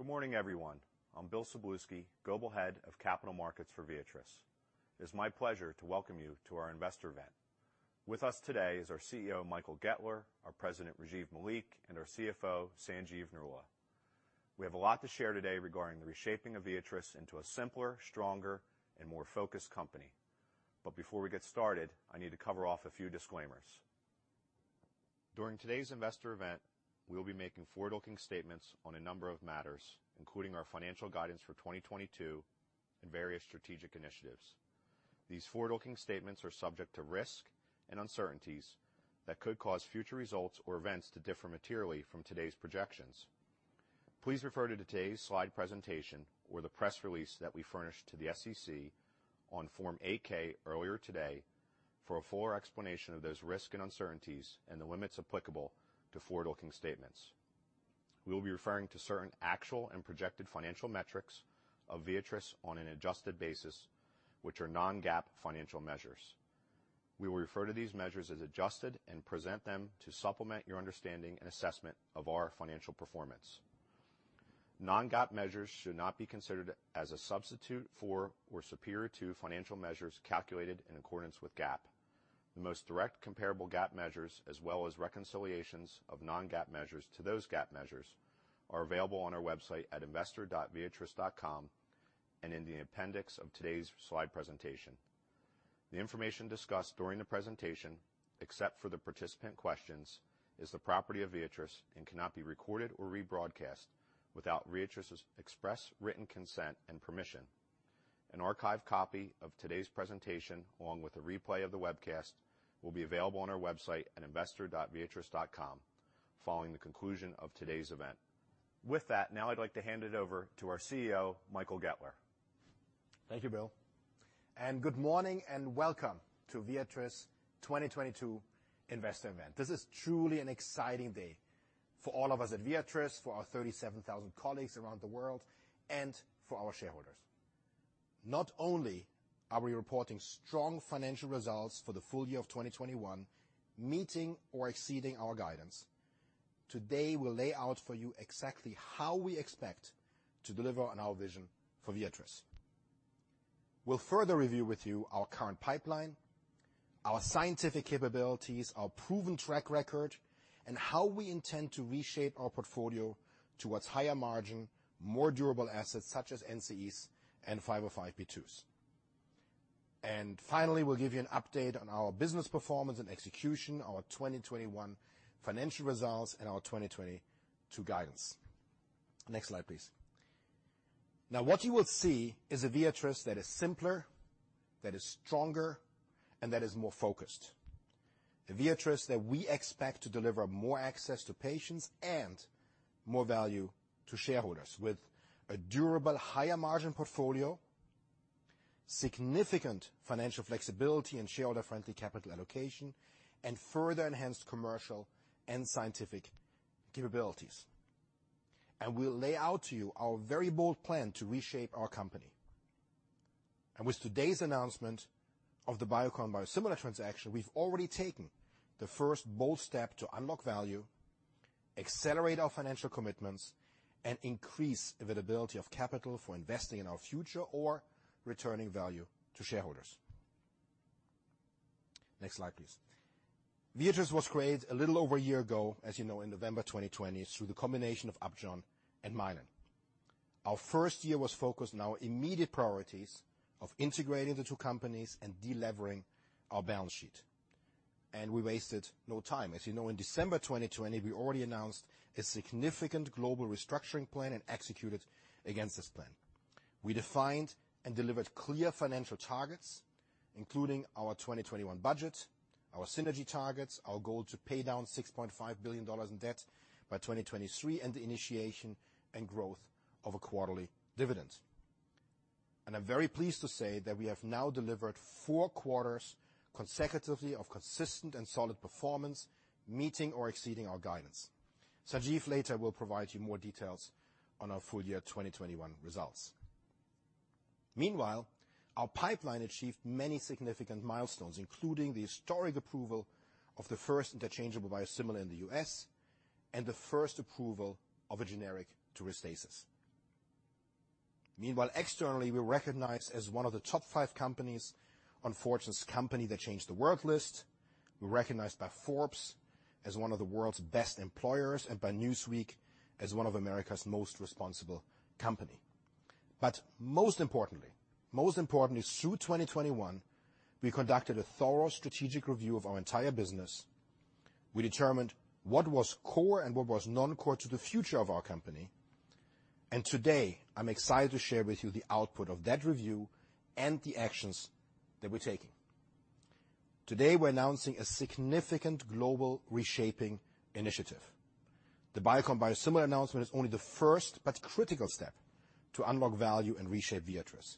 Good morning, everyone. I'm Bill Szablewski, Global Head of Capital Markets for Viatris. It is my pleasure to welcome you to our Investor event. With us today is our CEO, Michael Goettler, our president, Rajiv Malik, and our CFO, Sanjeev Narula. We have a lot to share today regarding the reshaping of Viatris into a simpler, stronger, and more focused company. Before we get started, I need to cover off a few disclaimers. During today's Investor event, we will be making forward-looking statements on a number of matters, including our financial guidance for 2022 and various strategic initiatives. These forward-looking statements are subject to risk and uncertainties that could cause future results or events to differ materially from today's projections. Please refer to today's slide presentation or the press release that we furnished to the SEC on Form 8-K earlier today for a fuller explanation of those risks and uncertainties and the limits applicable to forward-looking statements. We will be referring to certain actual and projected financial metrics of Viatris on an adjusted basis, which are non-GAAP financial measures. We will refer to these measures as adjusted and present them to supplement your understanding and assessment of our financial performance. Non-GAAP measures should not be considered as a substitute for or superior to financial measures calculated in accordance with GAAP. The most direct comparable GAAP measures, as well as reconciliations of non-GAAP measures to those GAAP measures, are available on our website at investor.viatris.com and in the appendix of today's slide presentation. The information discussed during the presentation, except for the participant questions, is the property of Viatris and cannot be recorded or rebroadcast without Viatris' express written consent and permission. An archived copy of today's presentation, along with a replay of the webcast, will be available on our website at investor.viatris.com following the conclusion of today's event. With that, now I'd like to hand it over to our CEO, Michael Goettler. Thank you, Bill. Good morning and welcome to Viatris 2022 Investor Event. This is truly an exciting day for all of us at Viatris, for our 37,000 colleagues around the world, and for our shareholders. Not only are we reporting strong financial results for the full year of 2021, meeting or exceeding our guidance, today we'll lay out for you exactly how we expect to deliver on our vision for Viatris. We'll further review with you our current pipeline, our scientific capabilities, our proven track record, and how we intend to reshape our portfolio towards higher margin, more durable assets such as NCEs and 505(b)(2)s. Finally, we'll give you an update on our business performance and execution, our 2021 financial results, and our 2022 guidance. Next slide, please. Now, what you will see is a Viatris that is simpler, that is stronger, and that is more focused. The Viatris that we expect to deliver more access to patients and more value to shareholders with a durable higher-margin portfolio, significant financial flexibility, and shareholder-friendly capital allocation, and further enhanced commercial and scientific capabilities. We'll lay out to you our very bold plan to reshape our company. With today's announcement of the Biocon biosimilar transaction, we've already taken the first bold step to unlock value, accelerate our financial commitments, and increase availability of capital for investing in our future or returning value to shareholders. Next slide, please. Viatris was created a little over a year ago, as you know, in November 2020, through the combination of Upjohn and Mylan. Our first year was focused on our immediate priorities of integrating the two companies and delevering our balance sheet. We wasted no time. As you know, in December 2020, we already announced a significant global restructuring plan and executed against this plan. We defined and delivered clear financial targets, including our 2021 budget, our synergy targets, our goal to pay down $6.5 billion in debt by 2023, and the initiation and growth of a quarterly dividend. I'm very pleased to say that we have now delivered 4 quarters consecutively of consistent and solid performance, meeting or exceeding our guidance. Sanjeev later will provide you more details on our full year 2021 results. Meanwhile, our pipeline achieved many significant milestones, including the historic approval of the first interchangeable biosimilar in the U.S. and the first approval of a generic to Restasis. Meanwhile, externally, we're recognized as one of the top five companies on Fortune's Change the World list. We're recognized by Forbes as one of the World's Best Employers and by Newsweek as one of America's most responsible company. Most importantly, through 2021, we conducted a thorough strategic review of our entire business. We determined what was core and what was non-core to the future of our company. Today, I'm excited to share with you the output of that review and the actions that we're taking. Today, we're announcing a significant global reshaping initiative. The Biocon biosimilar announcement is only the first but critical step to unlock value and reshape Viatris.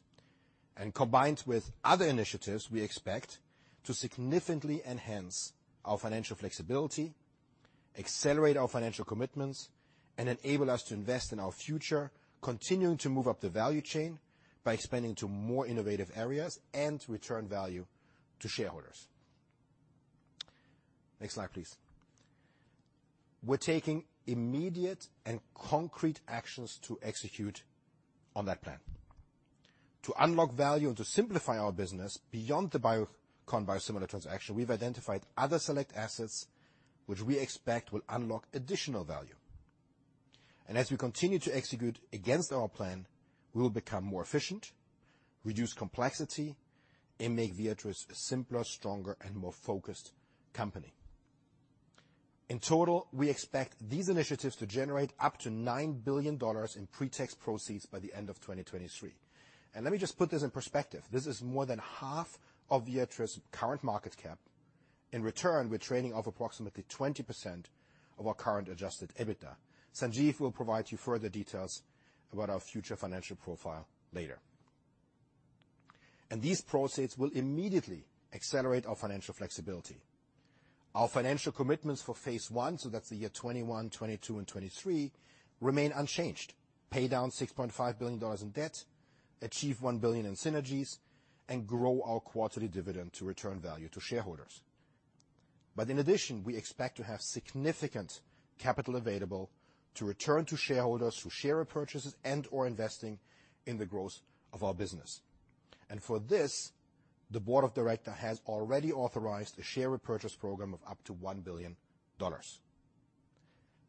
Combined with other initiatives, we expect to significantly enhance our financial flexibility, accelerate our financial commitments, and enable us to invest in our future, continuing to move up the value chain by expanding to more innovative areas and to return value to shareholders. Next slide, please. We're taking immediate and concrete actions to execute on that plan. To unlock value and to simplify our business beyond the Biocon biosimilar transaction, we've identified other select assets which we expect will unlock additional value. As we continue to execute against our plan, we will become more efficient, reduce complexity, and make Viatris a simpler, stronger, and more focused company. In total, we expect these initiatives to generate up to $9 billion in pre-tax proceeds by the end of 2023. Let me just put this in perspective. This is more than half of Viatris' current market cap. In return, we're trading off approximately 20% of our current adjusted EBITDA. Sanjeev will provide you further details about our future financial profile later. These proceeds will immediately accelerate our financial flexibility. Our financial commitments for phase I, so that's the year 2021, 2022, and 2023, remain unchanged. Pay down $6.5 billion in debt, achieve $1 billion in synergies, and grow our quarterly dividend to return value to shareholders. In addition, we expect to have significant capital available to return to shareholders through share purchases and/or investing in the growth of our business. For this, the board of directors has already authorized a share repurchase program of up to $1 billion.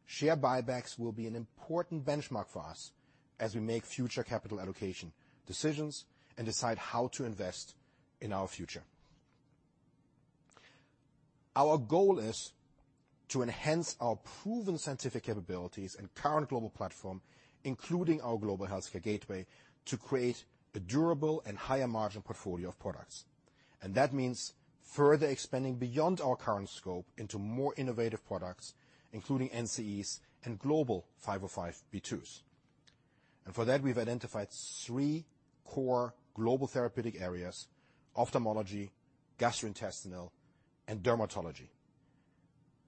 Share buybacks will be an important benchmark for us as we make future capital allocation decisions and decide how to invest in our future. Our goal is to enhance our proven scientific capabilities and current global platform, including our Global Healthcare Gateway, to create a durable and higher-margin portfolio of products. That means further expanding beyond our current scope into more innovative products, including NCEs and global 505(b)(2)s. For that, we've identified three core global therapeutic areas: ophthalmology, gastrointestinal, and dermatology,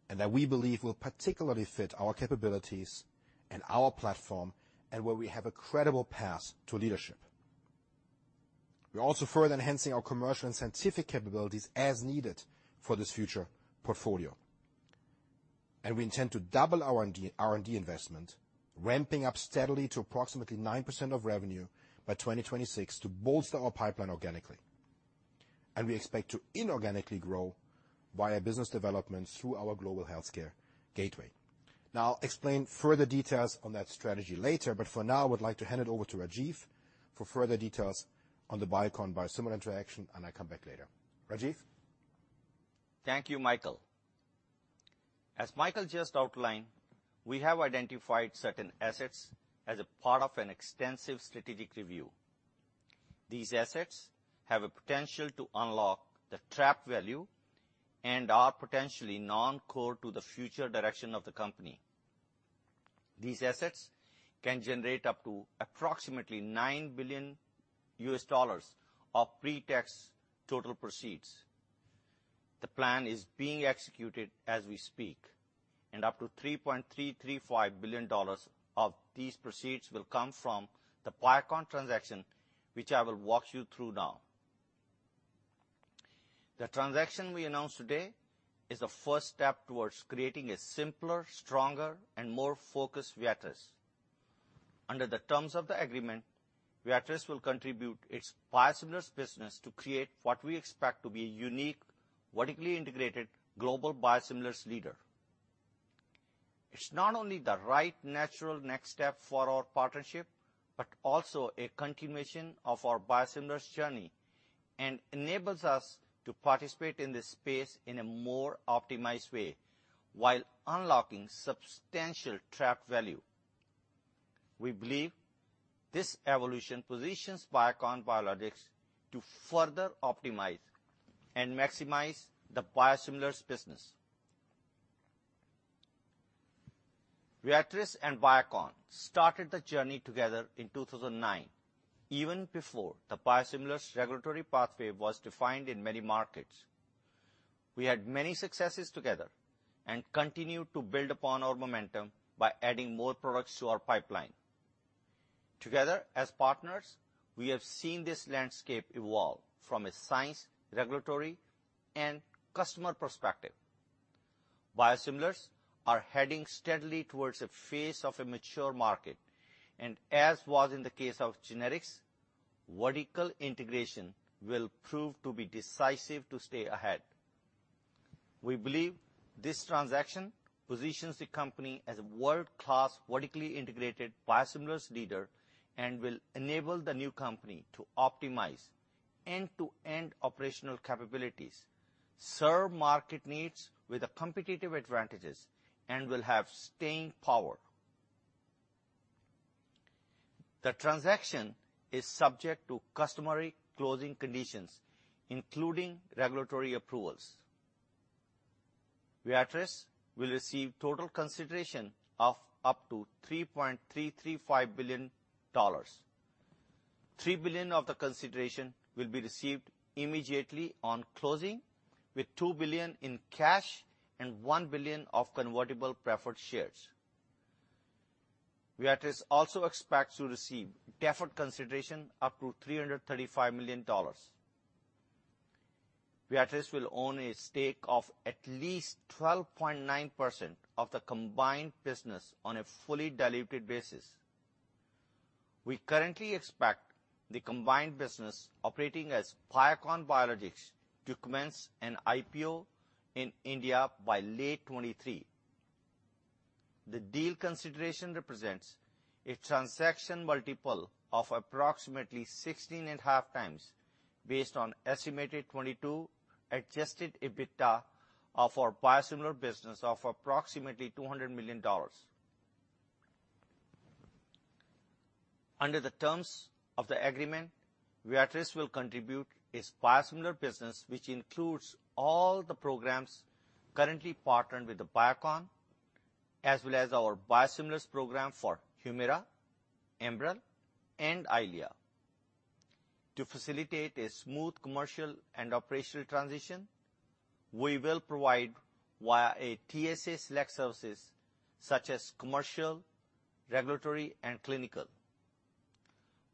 and that we believe will particularly fit our capabilities and our platform, and where we have a credible path to leadership. We're also further enhancing our commercial and scientific capabilities as needed for this future portfolio. We intend to double our R&D investment, ramping up steadily to approximately 9% of revenue by 2026 to bolster our pipeline organically. We expect to inorganically grow via business development through our Global Healthcare Gateway. Now, I'll explain further details on that strategy later, but for now I would like to hand it over to Rajiv for further details on the Biocon biosimilar transaction, and I come back later. Rajiv? Thank you, Michael. As Michael just outlined, we have identified certain assets as a part of an extensive strategic review. These assets have a potential to unlock the trapped value and are potentially non-core to the future direction of the company. These assets can generate up to approximately $9 billion of pre-tax total proceeds. The plan is being executed as we speak, and up to $3.335 billion of these proceeds will come from the Biocon transaction, which I will walk you through now. The transaction we announced today is a first step towards creating a simpler, stronger, and more focused Viatris. Under the terms of the agreement, Viatris will contribute its biosimilars business to create what we expect to be a unique, vertically integrated global biosimilars leader. It's not only the right natural next step for our partnership, but also a continuation of our biosimilars journey, and enables us to participate in this space in a more optimized way while unlocking substantial trapped value. We believe this evolution positions Biocon Biologics to further optimize and maximize the biosimilars business. Viatris and Biocon started the journey together in 2009, even before the biosimilars regulatory pathway was defined in many markets. We had many successes together and continue to build upon our momentum by adding more products to our pipeline. Together, as partners, we have seen this landscape evolve from a science, regulatory, and customer perspective. Biosimilars are heading steadily towards a phase of a mature market, and as was in the case of generics, vertical integration will prove to be decisive to stay ahead. We believe this transaction positions the company as a world-class vertically integrated biosimilars leader and will enable the new company to optimize end-to-end operational capabilities, serve market needs with the competitive advantages, and will have staying power. The transaction is subject to customary closing conditions, including regulatory approvals. Viatris will receive total consideration of up to $3.335 billion. $3 billion of the consideration will be received immediately on closing with $2 billion in cash and $1 billion of convertible preferred shares. Viatris also expects to receive deferred consideration up to $335 million. Viatris will own a stake of at least 12.9% of the combined business on a fully-diluted basis. We currently expect the combined business operating as Biocon Biologics to commence an IPO in India by late 2023. The deal consideration represents a transaction multiple of approximately 16.5x based on estimated 2022 adjusted EBITDA of our biosimilar business of approximately $200 million. Under the terms of the agreement, Viatris will contribute its biosimilar business, which includes all the programs currently partnered with Biocon, as well as our biosimilars program for Humira, Enbrel, and EYLEA. To facilitate a smooth commercial and operational transition, we will provide via a TSA select services such as commercial, regulatory, and clinical.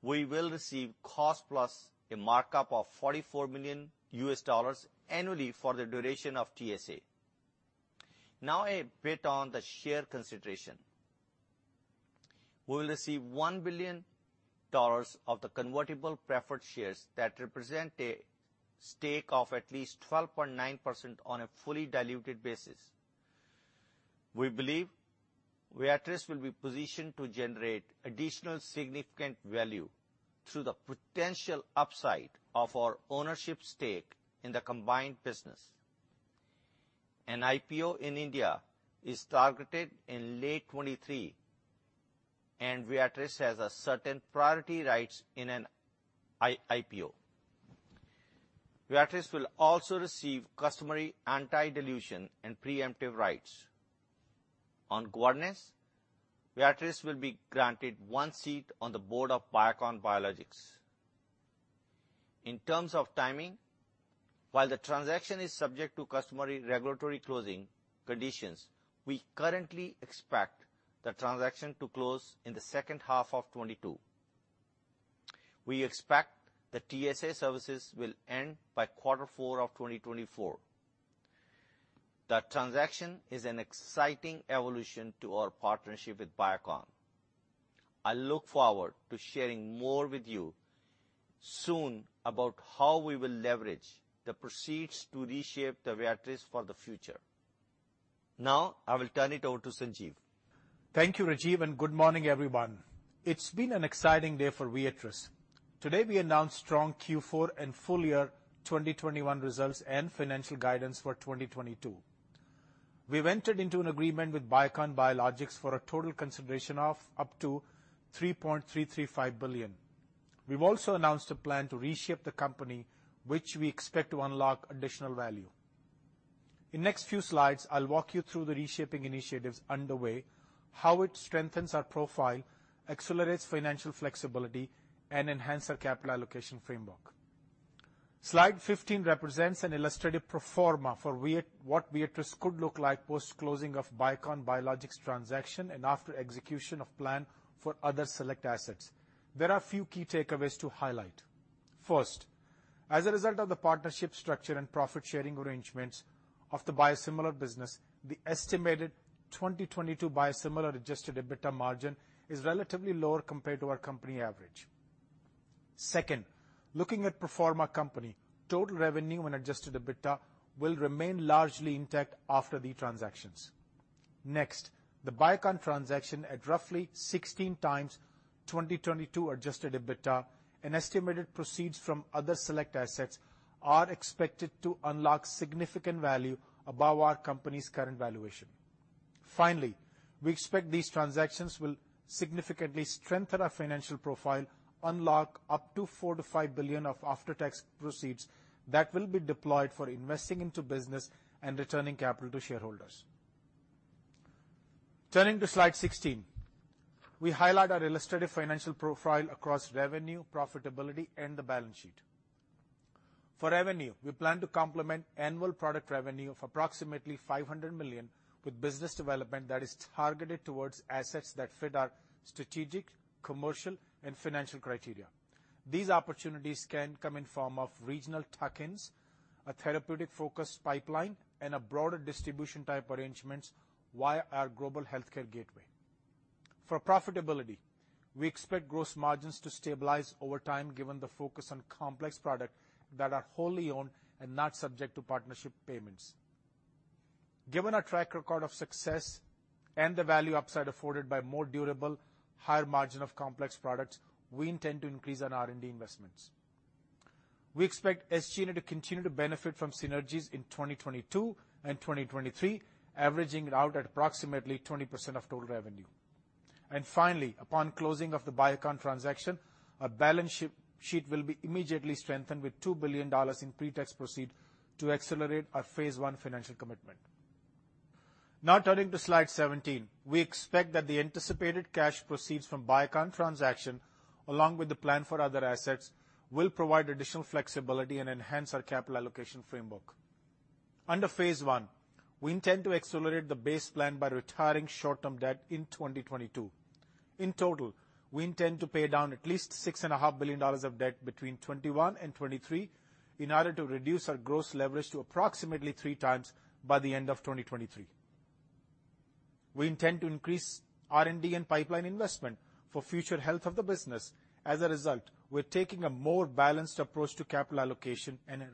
We will receive cost plus a markup of $44 million annually for the duration of TSA. Now a bit on the share consideration. We will receive $1 billion of the convertible preferred shares that represent a stake of at least 12.9% on a fully-diluted basis. We believe Viatris will be positioned to generate additional significant value through the potential upside of our ownership stake in the combined business. An IPO in India is targeted in late 2023, and Viatris has a certain priority rights in an IPO. Viatris will also receive customary anti-dilution and preemptive rights. On governance, Viatris will be granted one seat on the board of Biocon Biologics. In terms of timing, while the transaction is subject to customary regulatory closing conditions, we currently expect the transaction to close in the second half of 2022. We expect the TSA services will end by quarter four of 2024. The transaction is an exciting evolution to our partnership with Biocon. I look forward to sharing more with you soon about how we will leverage the proceeds to reshape the Viatris for the future. Now, I will turn it over to Sanjeev. Thank you, Rajiv, and good morning, everyone. It's been an exciting day for Viatris. Today, we announced strong Q4 and full year 2021 results and financial guidance for 2022. We've entered into an agreement with Biocon Biologics for a total consideration of up to $3.335 billion. We've also announced a plan to reshape the company, which we expect to unlock additional value. In next few slides, I'll walk you through the reshaping initiatives underway, how it strengthens our profile, accelerates financial flexibility, and enhance our capital allocation framework. Slide 15 represents an illustrative pro forma for what Viatris could look like post-closing of Biocon Biologics transaction and after execution of plan for other select assets. There are few key takeaways to highlight. First, as a result of the partnership structure and profit-sharing arrangements of the biosimilar business, the estimated 2022 biosimilar-adjusted EBITDA margin is relatively lower compared to our company average. Second, looking at pro forma company, total revenue and adjusted EBITDA will remain largely intact after the transactions. Next, the Biocon transaction at roughly 16x 2022 adjusted EBITDA and estimated proceeds from other select assets are expected to unlock significant value above our company's current valuation. Finally, we expect these transactions will significantly strengthen our financial profile, unlock up to $4 billion-$5 billion of after-tax proceeds that will be deployed for investing into business and returning capital to shareholders. Turning to slide 16, we highlight our illustrative financial profile across revenue, profitability, and the balance sheet. For revenue, we plan to complement annual product revenue of approximately $500 million with business development that is targeted towards assets that fit our strategic, commercial, and financial criteria. These opportunities can come in form of regional tuck-ins, a therapeutic-focused pipeline, and a broader distribution type arrangements via our Global Healthcare Gateway. For profitability, we expect gross margins to stabilize over time given the focus on complex product that are wholly owned and not subject to partnership payments. Given our track record of success and the value upside afforded by more durable, higher margin of complex products, we intend to increase on R&D investments. We expect SG&A to continue to benefit from synergies in 2022 and 2023, averaging out at approximately 20% of total revenue. Finally, upon closing of the Biocon transaction, our balance sheet will be immediately strengthened with $2 billion in pre-tax proceeds to accelerate our phase I financial commitment. Now turning to slide 17, we expect that the anticipated cash proceeds from Biocon transaction, along with the plan for other assets, will provide additional flexibility and enhance our capital allocation framework. Under phase I, we intend to accelerate the base plan by retiring short-term debt in 2022. In total, we intend to pay down at least $6.5 billion of debt between 2021 and 2023 in order to reduce our gross leverage to approximately 3x by the end of 2023. We intend to increase R&D and pipeline investment for future health of the business. As a result, we're taking a more balanced approach to capital allocation and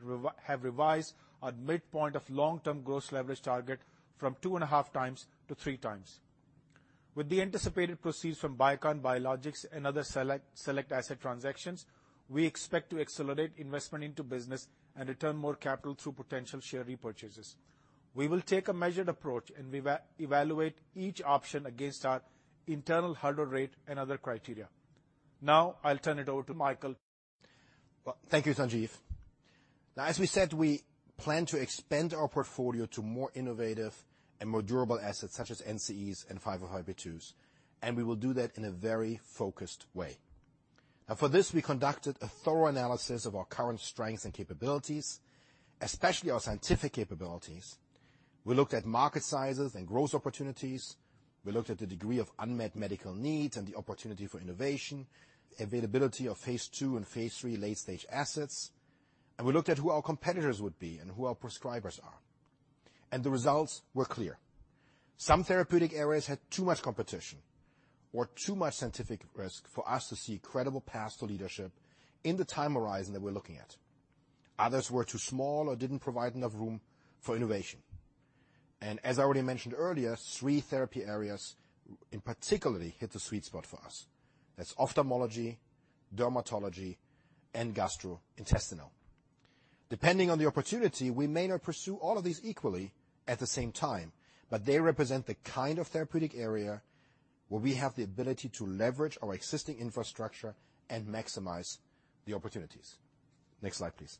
have revised our midpoint of long-term gross leverage target from 2.5x-3x. With the anticipated proceeds from Biocon Biologics and other select asset transactions, we expect to accelerate investment into business and return more capital through potential share repurchases. We will take a measured approach and evaluate each option against our internal hurdle rate and other criteria. Now I'll turn it over to Michael. Well, thank you, Sanjeev. Now, as we said, we plan to expand our portfolio to more innovative and more durable assets, such as NCEs and 505(b)(2)s, and we will do that in a very focused way. Now, for this, we conducted a thorough analysis of our current strengths and capabilities, especially our scientific capabilities. We looked at market sizes and growth opportunities. We looked at the degree of unmet medical needs and the opportunity for innovation, availability of phase II and phase III late-stage assets. We looked at who our competitors would be and who our prescribers are. The results were clear. Some therapeutic areas had too much competition or too much scientific risk for us to see credible paths to leadership in the time horizon that we're looking at. Others were too small or didn't provide enough room for innovation. As I already mentioned earlier, three therapy areas in particular hit the sweet spot for us. That's ophthalmology, dermatology, and gastrointestinal. Depending on the opportunity, we may not pursue all of these equally at the same time, but they represent the kind of therapeutic area where we have the ability to leverage our existing infrastructure and maximize the opportunities. Next slide, please.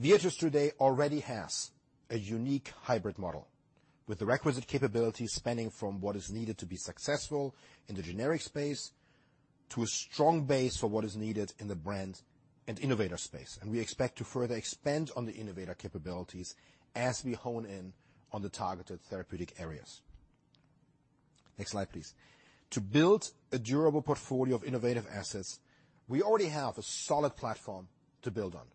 Viatris today already has a unique hybrid model with the requisite capabilities spanning from what is needed to be successful in the generic space to a strong base for what is needed in the brand and innovator space, and we expect to further expand on the innovator capabilities as we hone in on the targeted therapeutic areas. Next slide, please. To build a durable portfolio of innovative assets, we already have a solid platform to build on.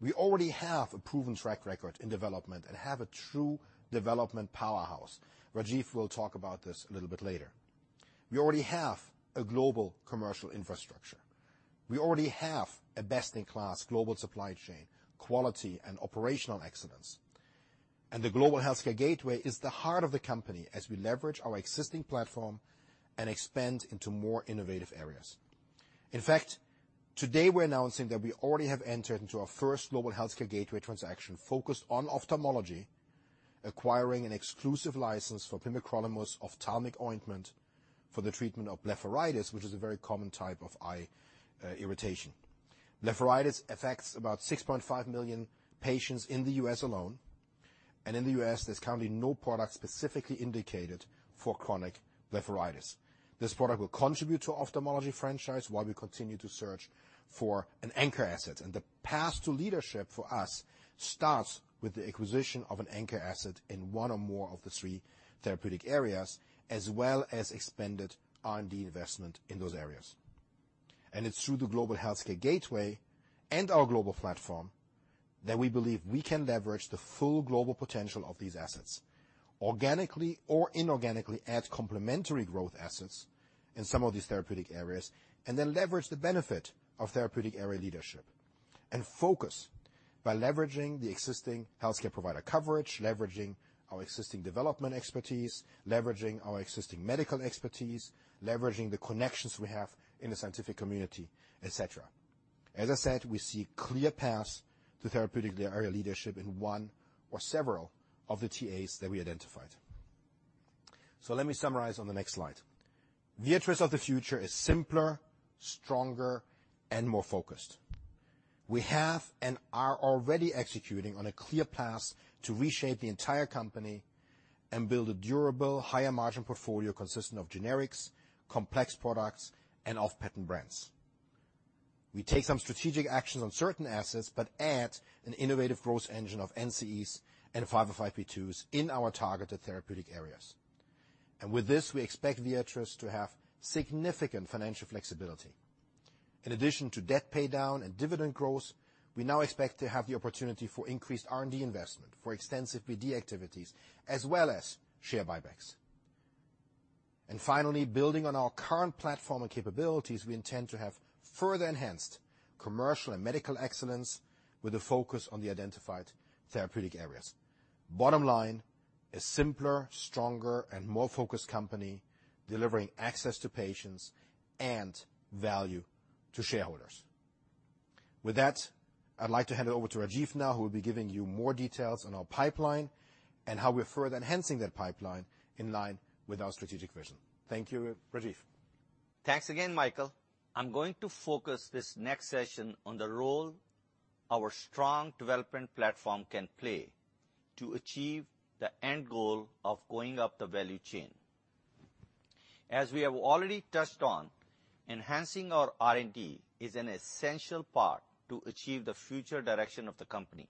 We already have a proven track record in development and have a true development powerhouse. Rajiv will talk about this a little bit later. We already have a global commercial infrastructure. We already have a best-in-class global supply chain, quality and operational excellence. The Global Healthcare Gateway is the heart of the company as we leverage our existing platform and expand into more innovative areas. In fact, today we're announcing that we already have entered into our first Global Healthcare Gateway transaction focused on ophthalmology, acquiring an exclusive license for pimecrolimus ophthalmic ointment for the treatment of blepharitis, which is a very common type of eye irritation. Blepharitis affects about 6.5 million patients in the U.S. alone, and in the U.S., there's currently no product specifically indicated for chronic blepharitis. This product will contribute to ophthalmology franchise while we continue to search for an anchor asset. The path to leadership for us starts with the acquisition of an anchor asset in one or more of the three therapeutic areas, as well as expanded R&D investment in those areas. It's through the Global Healthcare Gateway and our global platform that we believe we can leverage the full global potential of these assets organically or inorganically add complementary growth assets in some of these therapeutic areas, and then leverage the benefit of therapeutic area leadership and focus by leveraging the existing healthcare provider coverage, leveraging our existing development expertise, leveraging our existing medical expertise, leveraging the connections we have in the scientific community, et cetera. As I said, we see clear paths to therapeutic area leadership in one or several of the TAs that we identified. Let me summarize on the next slide. Viatris of the future is simpler, stronger, and more focused. We have and are already executing on a clear path to reshape the entire company and build a durable, higher margin portfolio consistent of generics, complex products, and off-patent brands. We take some strategic actions on certain assets but add an innovative growth engine of NCEs and 505(b)(2)s in our targeted therapeutic areas. With this, we expect Viatris to have significant financial flexibility. In addition to debt paydown and dividend growth, we now expect to have the opportunity for increased R&D investment, for extensive BD activities, as well as share buybacks. Finally, building on our current platform and capabilities, we intend to have further enhanced commercial and medical excellence with a focus on the identified therapeutic areas. Bottom line, a simpler, stronger, and more focused company delivering access to patients and value to shareholders. With that, I'd like to hand it over to Rajiv now, who will be giving you more details on our pipeline and how we're further enhancing that pipeline in line with our strategic vision. Thank you, Rajiv. Thanks again, Michael. I'm going to focus this next session on the role our strong development platform can play to achieve the end goal of going up the value chain. As we have already touched on, enhancing our R&D is an essential part to achieve the future direction of the company.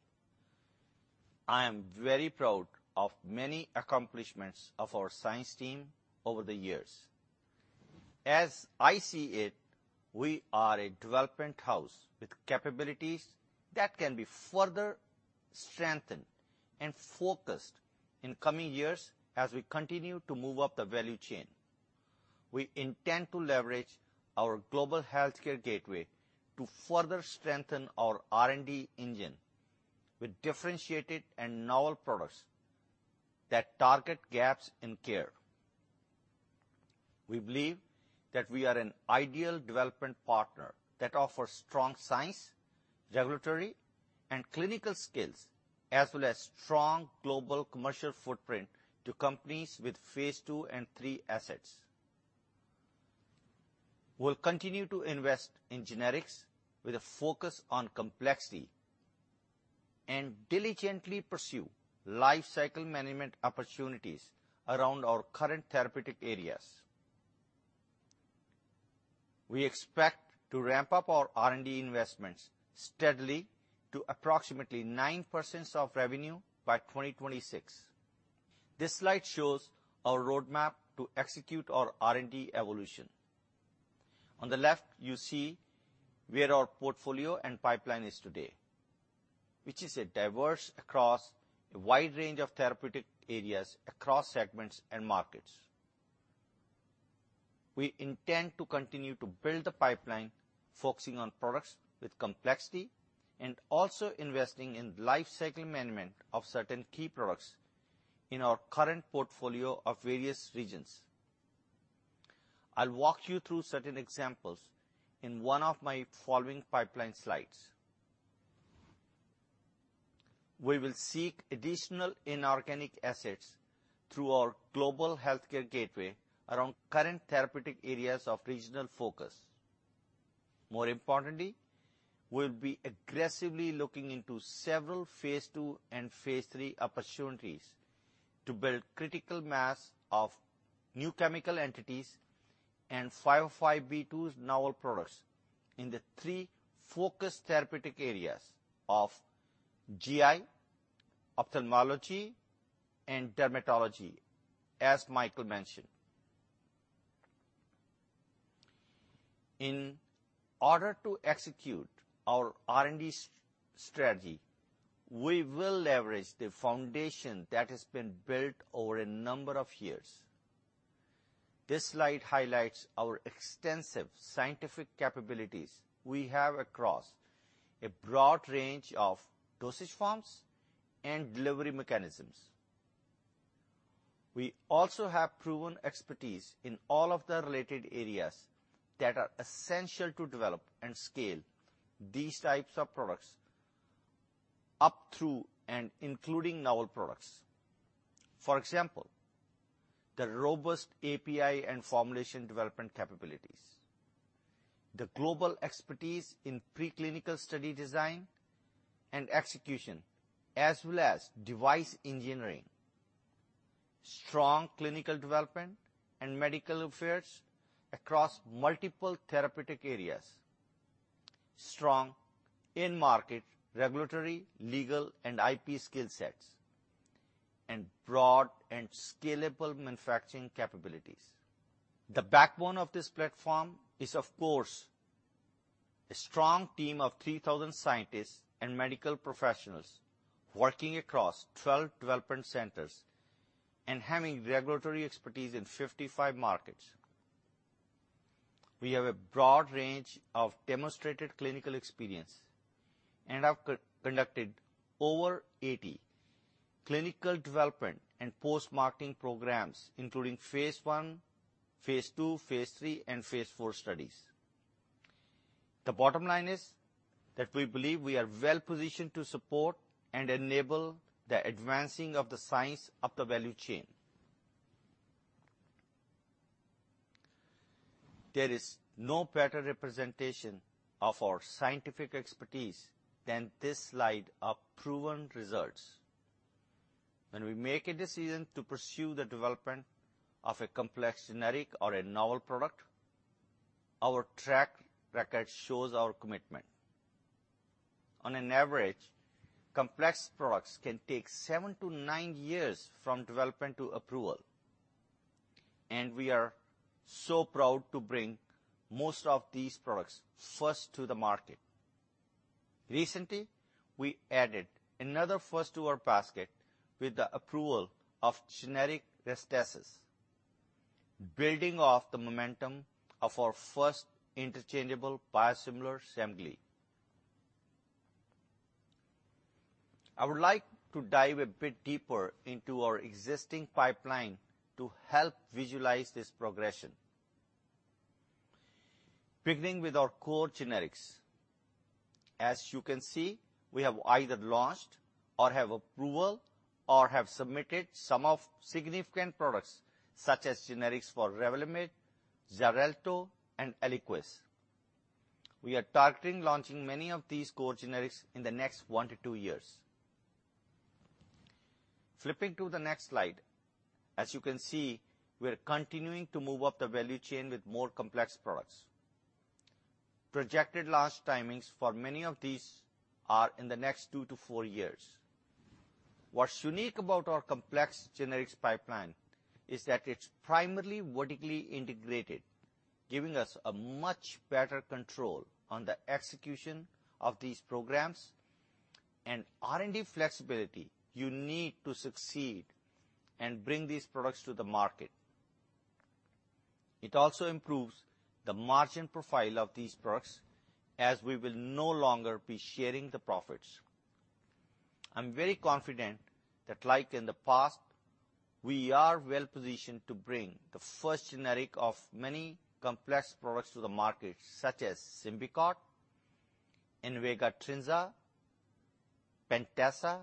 I am very proud of many accomplishments of our science team over the years. As I see it, we are a development house with capabilities that can be further strengthened and focused in coming years as we continue to move up the value chain. We intend to leverage our Global Healthcare Gateway to further strengthen our R&D engine with differentiated and novel products that target gaps in care. We believe that we are an ideal development partner that offers strong science, regulatory, and clinical skills, as well as strong global commercial footprint to companies with phase II and III assets. We'll continue to invest in generics with a focus on complexity and diligently pursue life cycle management opportunities around our current therapeutic areas. We expect to ramp up our R&D investments steadily to approximately 9% of revenue by 2026. This slide shows our roadmap to execute our R&D evolution. On the left, you see where our portfolio and pipeline is today, which is diverse across a wide range of therapeutic areas across segments and markets. We intend to continue to build the pipeline, focusing on products with complexity, and also investing in life cycle management of certain key products in our current portfolio of various regions. I'll walk you through certain examples in one of my following pipeline slides. We will seek additional inorganic assets through our Global Healthcare Gateway around current therapeutic areas of regional focus. More importantly, we'll be aggressively looking into several phase II and phase III opportunities to build critical mass of new chemical entities and 505(b)(2)s novel products in the three focus therapeutic areas of GI, ophthalmology, and dermatology, as Michael mentioned. In order to execute our R&D strategy, we will leverage the foundation that has been built over a number of years. This slide highlights our extensive scientific capabilities we have across a broad range of dosage forms and delivery mechanisms. We also have proven expertise in all of the related areas that are essential to develop and scale these types of products up through and including novel products. For example, the robust API and formulation development capabilities, the global expertise in preclinical study design and execution, as well as device engineering, strong clinical development and medical affairs across multiple therapeutic areas, strong in-market regulatory, legal, and IP skill sets, and broad and scalable manufacturing capabilities. The backbone of this platform is, of course, a strong team of 3,000 scientists and medical professionals working across 12 development centers and having regulatory expertise in 55 markets. We have a broad range of demonstrated clinical experience and have co-conducted over 80 clinical development and post-marketing programs, including phase I, phase II, phase III, and phase IV studies. The bottom line is that we believe we are well-positioned to support and enable the advancing of the science up the value chain. There is no better representation of our scientific expertise than this slide of proven results. When we make a decision to pursue the development of a complex generic or a novel product, our track record shows our commitment. On average, complex products can take seven-nine years from development to approval, and we are so proud to bring most of these products first to the market. Recently, we added another first to our basket with the approval of generic Restasis, building off the momentum of our first interchangeable biosimilar, Semglee. I would like to dive a bit deeper into our existing pipeline to help visualize this progression. Beginning with our core generics. As you can see, we have either launched, or have approval or have submitted some of significant products such as generics for REVLIMID, Xarelto, and Eliquis. We are targeting launching many of these core generics in the next one-two years. Flipping to the next slide, as you can see, we're continuing to move up the value chain with more complex products. Projected launch timings for many of these are in the next two-four years. What's unique about our complex generics pipeline is that it's primarily vertically integrated, giving us a much better control on the execution of these programs and R&D flexibility you need to succeed and bring these products to the market. It also improves the margin profile of these products as we will no longer be sharing the profits. I'm very confident that like in the past, we are well-positioned to bring the first generic of many complex products to the market, such as Symbicort, Invega Trinza, Pentasa,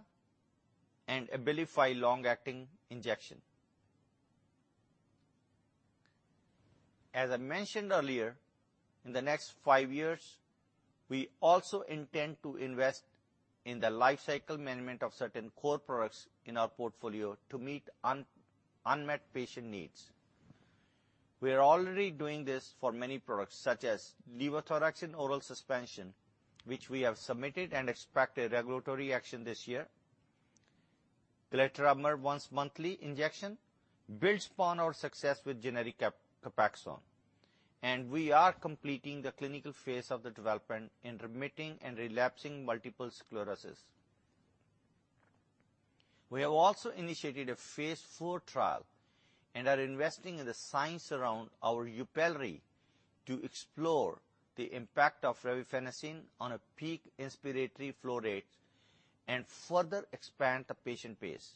and Abilify long-acting injection. As I mentioned earlier, in the next five years, we also intend to invest in the lifecycle management of certain core products in our portfolio to meet unmet patient needs. We are already doing this for many products, such as levothyroxine in oral suspension, which we have submitted and expect a regulatory action this year. Glatiramer once-monthly injection builds upon our success with generic Copaxone, and we are completing the clinical phase of the development in remitting and relapsing multiple sclerosis. We have also initiated a phase IV trial and are investing in the science around our YUPELRI to explore the impact of revefenacin on a peak inspiratory flow rate and further expand the patient base.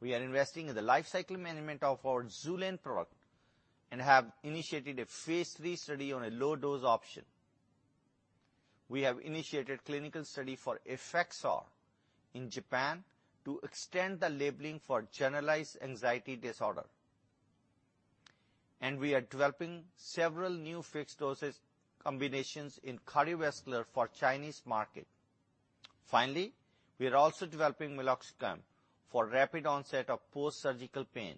We are investing in the lifecycle management of our Xulane product and have initiated a phase III study on a low-dose option. We have initiated clinical study for Effexor in Japan to extend the labeling for generalized anxiety disorder. We are developing several new fixed-dosage combinations in cardiovascular for Chinese market. Finally, we are also developing meloxicam for rapid onset of post-surgical pain.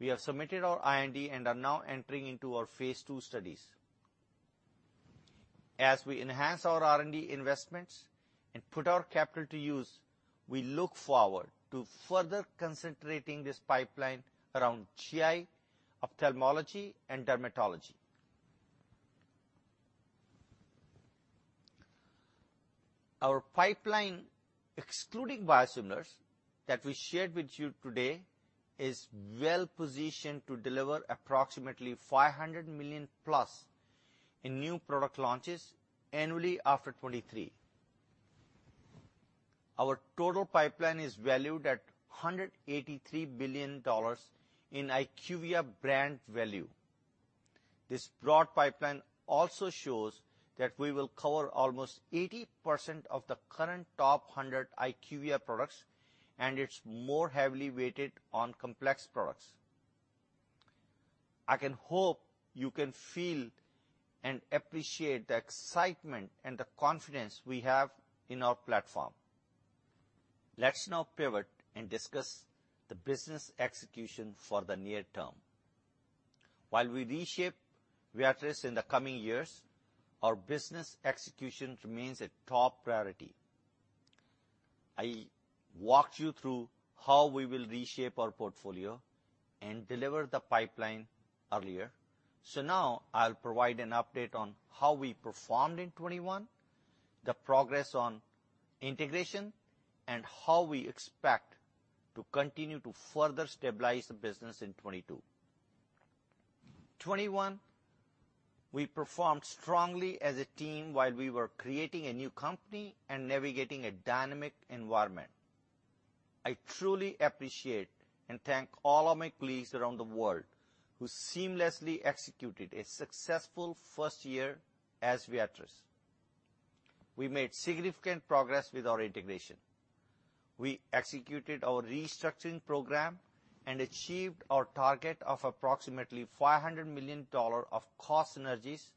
We have submitted our IND and are now entering into our phase II studies. As we enhance our R&D investments and put our capital to use, we look forward to further concentrating this pipeline around GI, ophthalmology, and dermatology. Our pipeline, excluding biosimilars, that we shared with you today is well-positioned to deliver approximately $500 million-plus in new product launches annually after 2023. Our total pipeline is valued at $183 billion in IQVIA brand value. This broad pipeline also shows that we will cover almost 80% of the current top 100 IQVIA products, and it's more heavily weighted on complex products. I can hope you can feel and appreciate the excitement and the confidence we have in our platform. Let's now pivot and discuss the business execution for the near term. While we reshape Viatris in the coming years, our business execution remains a top priority. I walked you through how we will reshape our portfolio and deliver the pipeline earlier. Now, I'll provide an update on how we performed in 2021, the progress on integration, and how we expect to continue to further stabilize the business in 2022. 2021, we performed strongly as a team while we were creating a new company and navigating a dynamic environment. I truly appreciate and thank all of my colleagues around the world who seamlessly executed a successful first year as Viatris. We made significant progress with our integration. We executed our restructuring program and achieved our target of approximately $500 million of cost synergies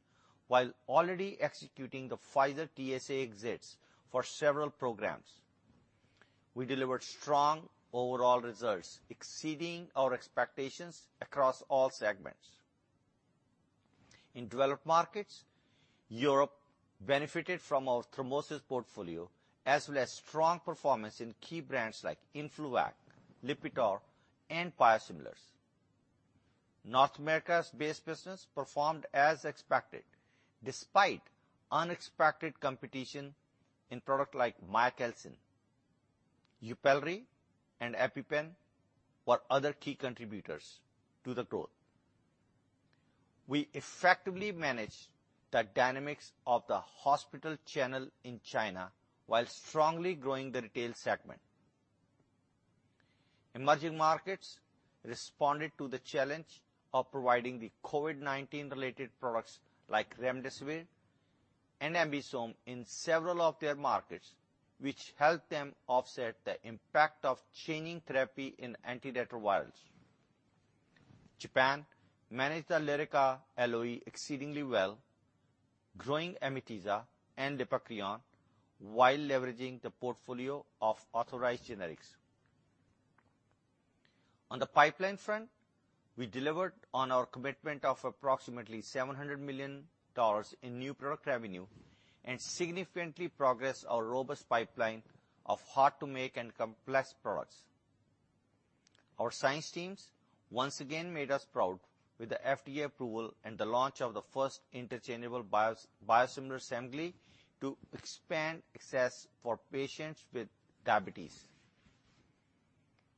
while already executing the Pfizer TSA exits for several programs. We delivered strong overall results, exceeding our expectations across all segments. In developed markets, Europe benefited from our thrombosis portfolio, as well as strong performance in key brands like Influvac, Lipitor, and biosimilars. North America's base business performed as expected, despite unexpected competition in products like Miacalcin. YUPELRI and EpiPen were other key contributors to the growth. We effectively managed the dynamics of the hospital channel in China while strongly growing the Retail segment. Emerging markets responded to the challenge of providing the COVID-19 related products like Remdesivir and AmBisome in several of their markets, which helped them offset the impact of changing therapy in antiretrovirals. Japan managed the Lyrica LOE exceedingly well, growing Amitiza and Leukeran while leveraging the portfolio of authorized generics. On the pipeline front, we delivered on our commitment of approximately $700 million in new product revenue and significantly progressed our robust pipeline of hard to make and complex products. Our science teams once again made us proud with the FDA approval and the launch of the first interchangeable biosimilar Semglee to expand access for patients with diabetes.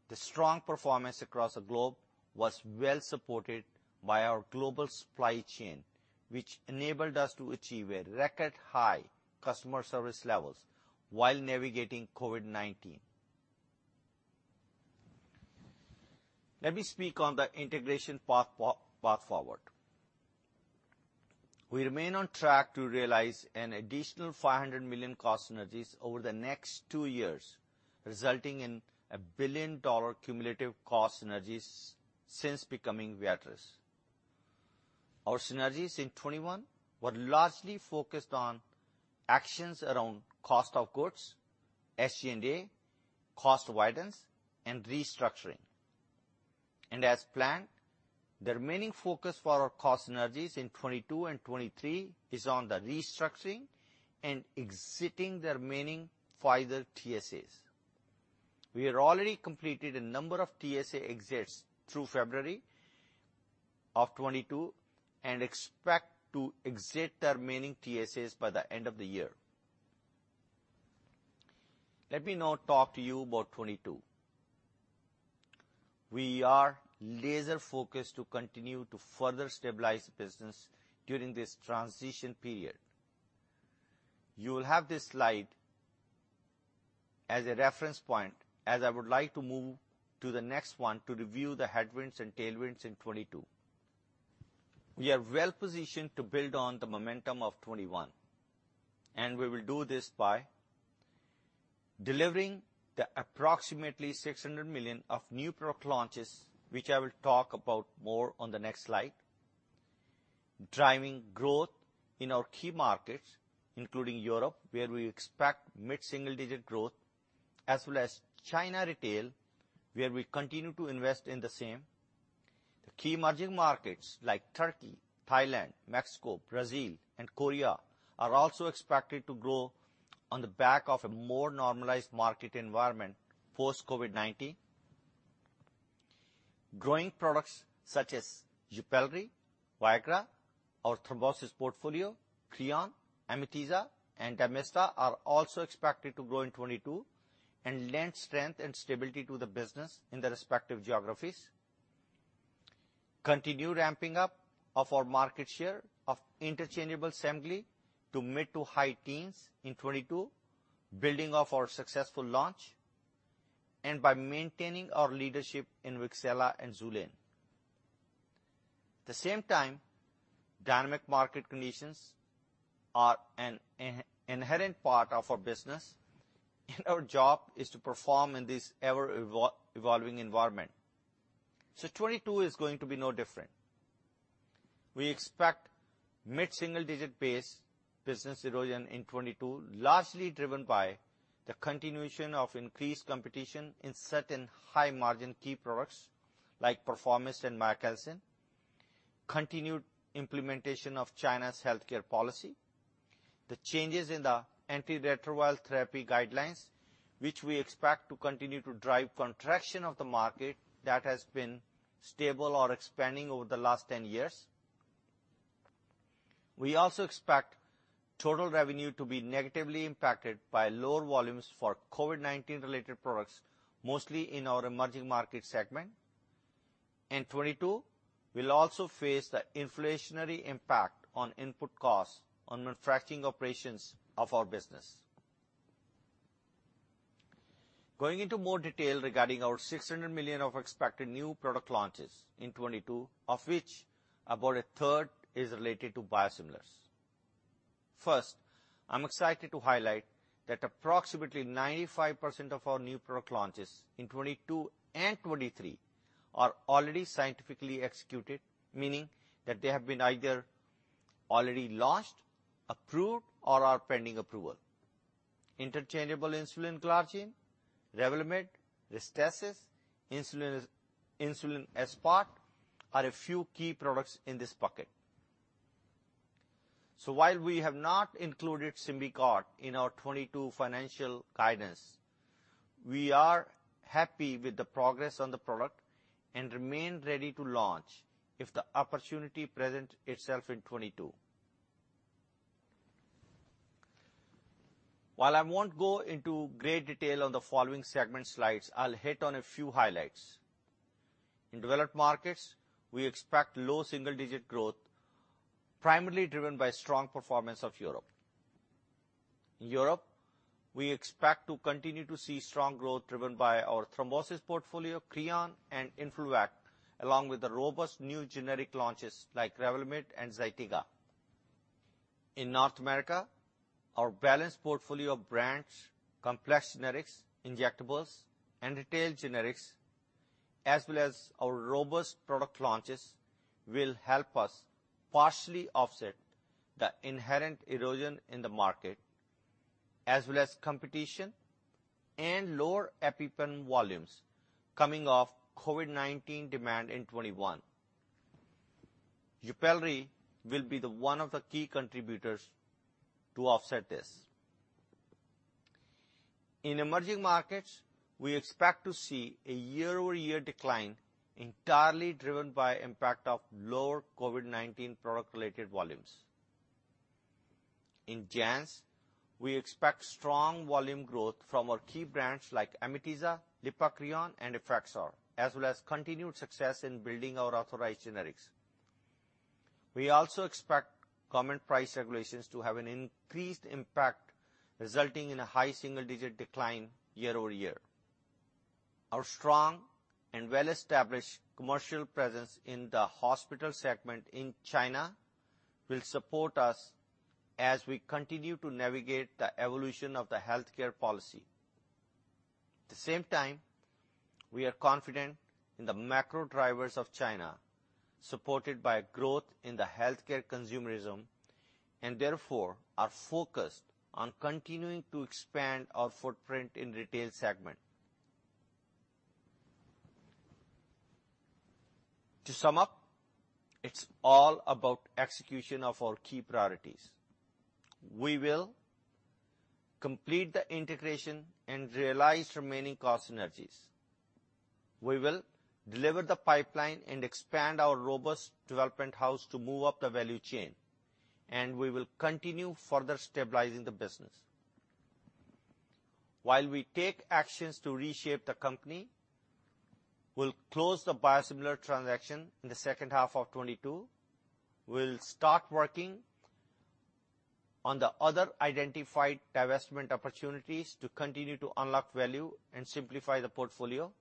The strong performance across the globe was well-supported by our global supply chain, which enabled us to achieve a record high customer service levels while navigating COVID-19. Let me speak on the integration path forward. We remain on track to realize an additional $500 million cost synergies over the next two years, resulting in a $1 billion cumulative cost synergies since becoming Viatris. Our synergies in 2021 were largely focused on actions around cost of goods, SG&A, cost avoidance, and restructuring. As planned, the remaining focus for our cost synergies in 2022 and 2023 is on the restructuring and exiting the remaining Pfizer TSAs. We have already completed a number of TSA exits through February of 2022 and expect to exit the remaining TSAs by the end of the year. Let me now talk to you about 2022. We are laser-focused to continue to further stabilize the business during this transition period. You will have this slide as a reference point as I would like to move to the next one to review the headwinds and tailwinds in 2022. We are well-positioned to build on the momentum of 2021, and we will do this by delivering the approximately $600 million of new product launches, which I will talk about more on the next slide. Driving growth in our key markets, including Europe, where we expect mid-single-digit growth, as well as China retail, where we continue to invest in the same. The key emerging markets like Turkey, Thailand, Mexico, Brazil, and Korea are also expected to grow on the back of a more normalized market environment post-COVID-19. Growing products such as YUPELRI, Viagra, our thrombosis portfolio, Creon, Amitiza, and Dymista ar e also expected to grow in 2022 and lend strength and stability to the business in the respective geographies. Continue ramping up of our market share of interchangeable Semglee to mid-to-high teens in 2022, building off our successful launch, and by maintaining our leadership in Wixela and Xulane. At the same time, dynamic market conditions are an inherent part of our business, and our job is to perform in this ever-evolving environment. 2022 is going to be no different. We expect mid-single-digit pace business erosion in 2022, largely driven by the continuation of increased competition in certain high-margin key products like Perforomist and Mercazole, continued implementation of China's healthcare policy, the changes in the antiretroviral therapy guidelines, which we expect to continue to drive contraction of the market that has been stable or expanding over the last 10 years. We also expect total revenue to be negatively impacted by lower volumes for COVID-19-related products, mostly in our Emerging Market segment. In 2022, we'll also face the inflationary impact on input costs on manufacturing operations of our business. Going into more detail regarding our $600 million of expected new product launches in 2022, of which about a third is related to biosimilars. First, I'm excited to highlight that approximately 95% of our new product launches in 2022 and 2023 are already scientifically executed, meaning that they have been either already launched, approved, or are pending approval. Interchangeable insulin glargine, REVLIMID, Restasis, insulin, Insulin Aspart are a few key products in this bucket. While we have not included Symbicort in our 2022 financial guidance, we are happy with the progress on the product and remain ready to launch if the opportunity presents itself in 2022. While I won't go into great detail on the following segment slides, I'll hit on a few highlights. In developed markets, we expect low double-digit growth, primarily driven by strong performance of Europe. In Europe, we expect to continue to see strong growth driven by our thrombosis portfolio, Creon, and Influvac, along with the robust new generic launches like REVLIMID and Zytiga. In North America, our balanced portfolio of branded complex generics, injectables, and retail generics, as well as our robust product launches, will help us partially offset the inherent erosion in the market, as well as competition and lower EpiPen volumes coming off COVID-19 demand in 2021. YUPELRI will be one of the key contributors to offset this. In emerging markets, we expect to see a year-over-year decline entirely driven by impact of lower COVID-19 product-related volumes. In Japan, we expect strong volume growth from our key brands like Amitiza, Lipacreon, and Effexor, as well as continued success in building our authorized generics. We also expect common price regulations to have an increased impact, resulting in a high single-digit decline year-over-year. Our strong and well-established commercial presence in the Hospital segment in China will support us as we continue to navigate the evolution of the healthcare policy. At the same time, we are confident in the macro drivers of China, supported by growth in the healthcare consumerism, and therefore are focused on continuing to expand our footprint in Retail segment. To sum up, it's all about execution of our key priorities. We will complete the integration and realize remaining cost synergies. We will deliver the pipeline and expand our robust development house to move up the value chain, and we will continue further stabilizing the business. While we take actions to reshape the company, we'll close the biosimilar transaction in the second half of 2022. We'll start working on the other identified divestment opportunities to continue to unlock value and simplify the portfolio.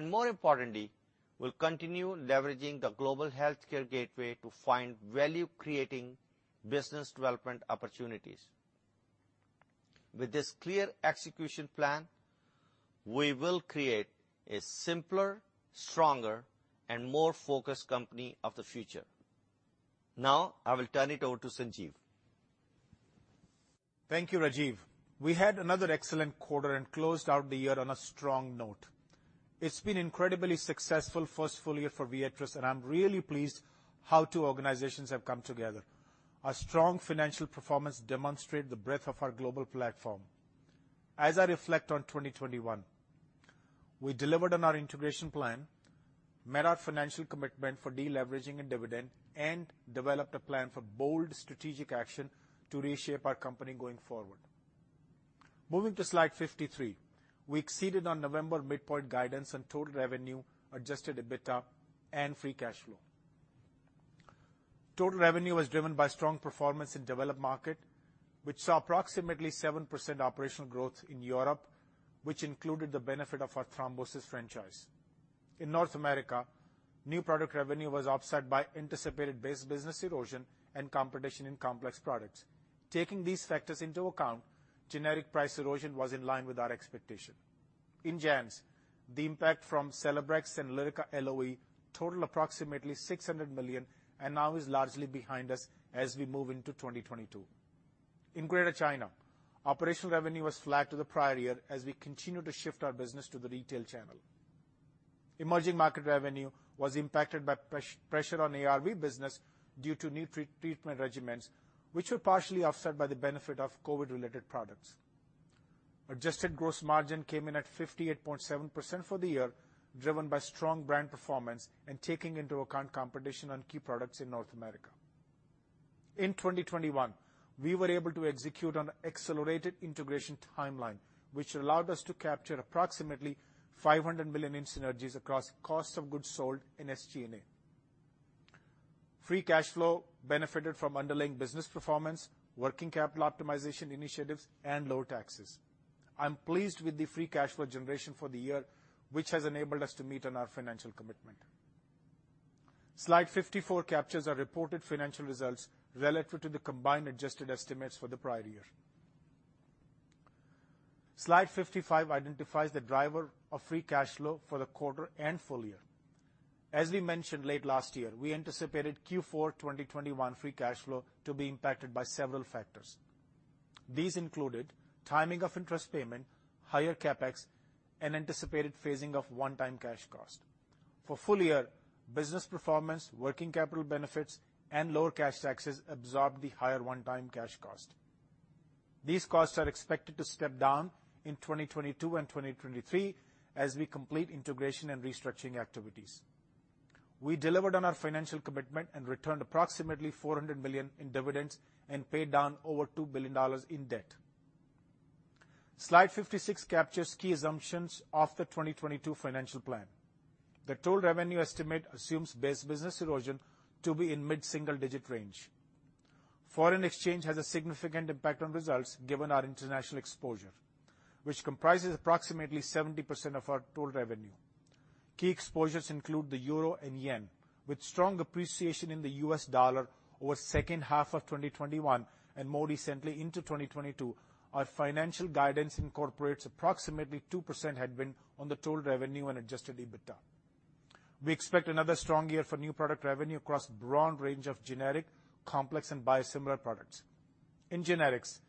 More importantly, we'll continue leveraging the Global Healthcare Gateway to find value-creating business development opportunities. With this clear execution plan, we will create a simpler, stronger, and more focused company of the future. Now I will turn it over to Sanjeev. Thank you, Rajiv. We had another excellent quarter and closed out the year on a strong note. It's been incredibly successful first full year for Viatris, and I'm really pleased how two organizations have come together. Our strong financial performance demonstrate the breadth of our global platform. As I reflect on 2021, we delivered on our integration plan, met our financial commitment for deleveraging and dividend, and developed a plan for bold strategic action to reshape our company going forward. Moving to slide 53, we exceeded on November midpoint guidance on total revenue, adjusted EBITDA, and free cash flow. Total revenue was driven by strong performance in Developed Markets, which saw approximately 7% operational growth in Europe, which included the benefit of our thrombosis franchise. In North America, new product revenue was offset by anticipated base business erosion and competition in complex products. Taking these factors into account, generic price erosion was in line with our expectation. In Japan, the impact from Celebrex and Lyrica LOE totaled approximately $600 million and now is largely behind us as we move into 2022. In Greater China, operational revenue was flat to the prior year as we continue to shift our business to the retail channel. Emerging market revenue was impacted by pressure on ARV business due to new treatment regimens, which were partially offset by the benefit of COVID-related products. Adjusted gross margin came in at 58.7% for the year, driven by strong brand performance and taking into account competition on key products in North America. In 2021, we were able to execute on accelerated integration timeline, which allowed us to capture approximately $500 million in synergies across cost of goods sold in SG&A. Free cash flow benefited from underlying business performance, working capital optimization initiatives, and low taxes. I'm pleased with the free cash flow generation for the year, which has enabled us to meet on our financial commitment. Slide 54 captures our reported financial results relative to the combined adjusted estimates for the prior year. Slide 55 identifies the driver of free cash flow for the quarter and full year. As we mentioned late last year, we anticipated Q4 2021 free cash flow to be impacted by several factors. These included timing of interest payment, higher CapEx, and anticipated phasing of one-time cash cost. For full year, business performance, working capital benefits, and lower cash taxes absorbed the higher one-time cash cost. These costs are expected to step down in 2022 and 2023 as we complete integration and restructuring activities. We delivered on our financial commitment and returned approximately $400 million in dividends and paid down over $2 billion in debt. Slide 56 captures key assumptions of the 2022 financial plan. The total revenue estimate assumes base business erosion to be in mid-single-digit range. Foreign exchange has a significant impact on results, given our international exposure, which comprises approximately 70% of our total revenue. Key exposures include the euro and yen, with strong appreciation in the U.S. dollar over second half of 2021 and more recently into 2022. Our financial guidance incorporates approximately 2% headwind on the total revenue and adjusted EBITDA. We expect another strong year for new product revenue across broad range of generic, complex, and biosimilar products. In generics,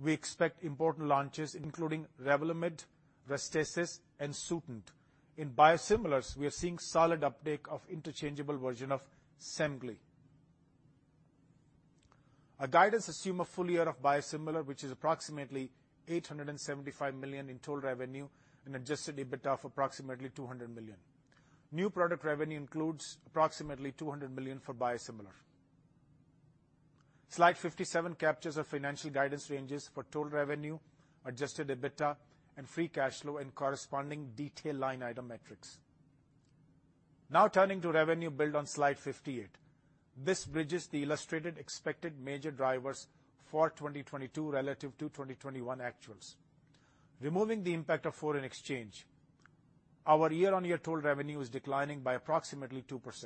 we expect important launches, including REVLIMID, Restasis, and Sutent. In biosimilars, we are seeing solid uptake of interchangeable version of Semglee. Our guidance assumes a full year of biosimilars, which is approximately $875 million in total revenue and adjusted EBITDA of approximately $200 million. New product revenue includes approximately $200 million for biosimilars. Slide 57 captures our financial guidance ranges for total revenue, adjusted EBITDA, and free cash flow, and corresponding detail line item metrics. Now turning to revenue build on Slide 58. This bridges the illustrated expected major drivers for 2022 relative to 2021 actuals. Removing the impact of foreign exchange, our year-on-year total revenue is declining by approximately 2%.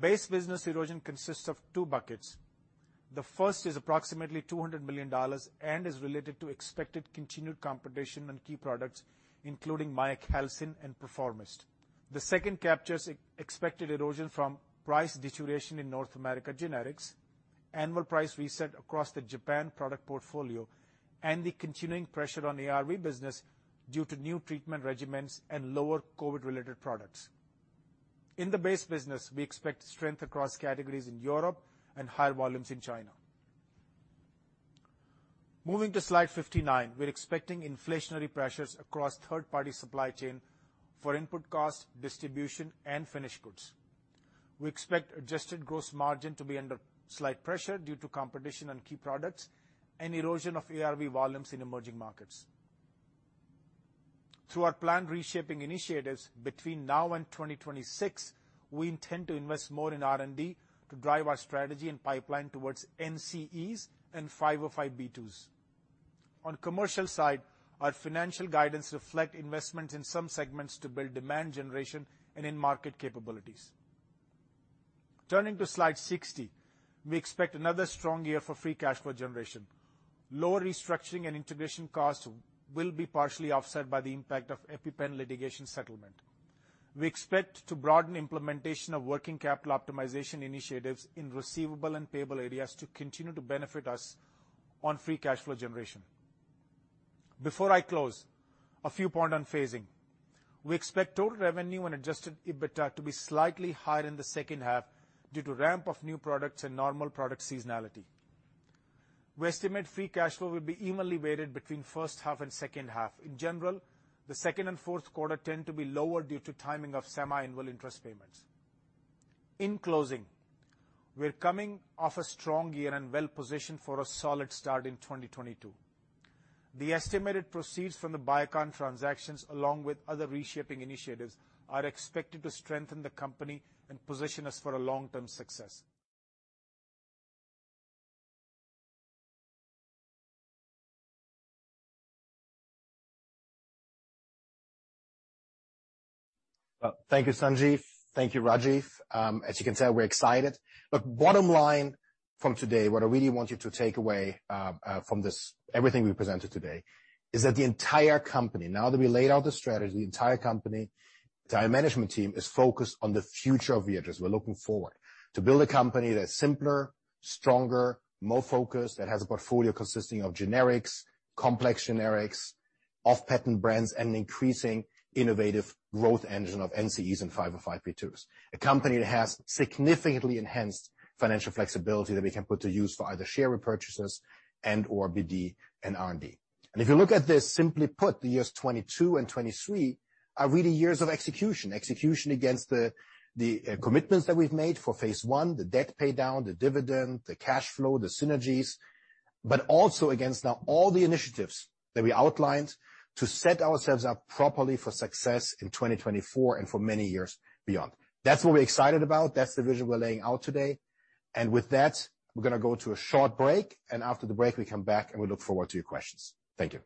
Base business erosion consists of two buckets. The first is approximately $200 million and is related to expected continued competition on key products, including Miacalcin and Perforomist. The second captures ex-expected erosion from price deterioration in North America Generics, annual price reset across the Japan product portfolio, and the continuing pressure on ARV business due to new treatment regimens and lower COVID-related products. In the base business, we expect strength across categories in Europe and higher volumes in China. Moving to slide 59. We're expecting inflationary pressures across third-party supply chain for input costs, distribution, and finished goods. We expect adjusted gross margin to be under slight pressure due to competition on key products and erosion of ARV volumes in emerging markets. Through our planned reshaping initiatives between now and 2026, we intend to invest more in R&D to drive our strategy and pipeline towards NCEs and 505(b)(2)s. On commercial side, our financial guidance reflect investment in some segments to build demand generation and in market capabilities. Turning to slide 60. We expect another strong year for free cash flow generation. Lower restructuring and integration costs will be partially offset by the impact of EpiPen litigation settlement. We expect to broaden implementation of working capital optimization initiatives in receivable and payable areas to continue to benefit us on free cash flow generation. Before I close, a few points on phasing. We expect total revenue and adjusted EBITDA to be slightly higher in the second half due to ramp of new products and normal product seasonality. We estimate free cash flow will be evenly weighted between first half and second half. In general, the second and fourth quarter tend to be lower due to timing of semi-annual interest payments. In closing, we're coming off a strong year and well-positioned for a solid start in 2022. The estimated proceeds from the Biocon transactions, along with other reshaping initiatives, are expected to strengthen the company and position us for a long-term success. Well, thank you, Sanjeev. Thank you, Rajiv. As you can tell, we're excited. Bottom line from today, what I really want you to take away from this, everything we presented today, is that the entire company, now that we laid out the strategy, the entire management team is focused on the future of Viatris. We're looking forward to build a company that's simpler, stronger, more focused, that has a portfolio consisting of generics, complex generics, off-patent brands, and increasing innovative growth engine of NCEs and 505(b)(2)s. A company that has significantly enhanced financial flexibility that we can put to use for either share repurchases and/or BD and R&D. If you look at this, simply put, the years 2022 and 2023 are really years of execution against the commitments that we've made for phase I, the debt pay down, the dividend, the cash flow, the synergies, but also against now all the initiatives that we outlined to set ourselves up properly for success in 2024 and for many years beyond. That's what we're excited about. That's the vision we're laying out today. With that, we're gonna go to a short break, and after the break, we come back, and we look forward to your questions. Thank you.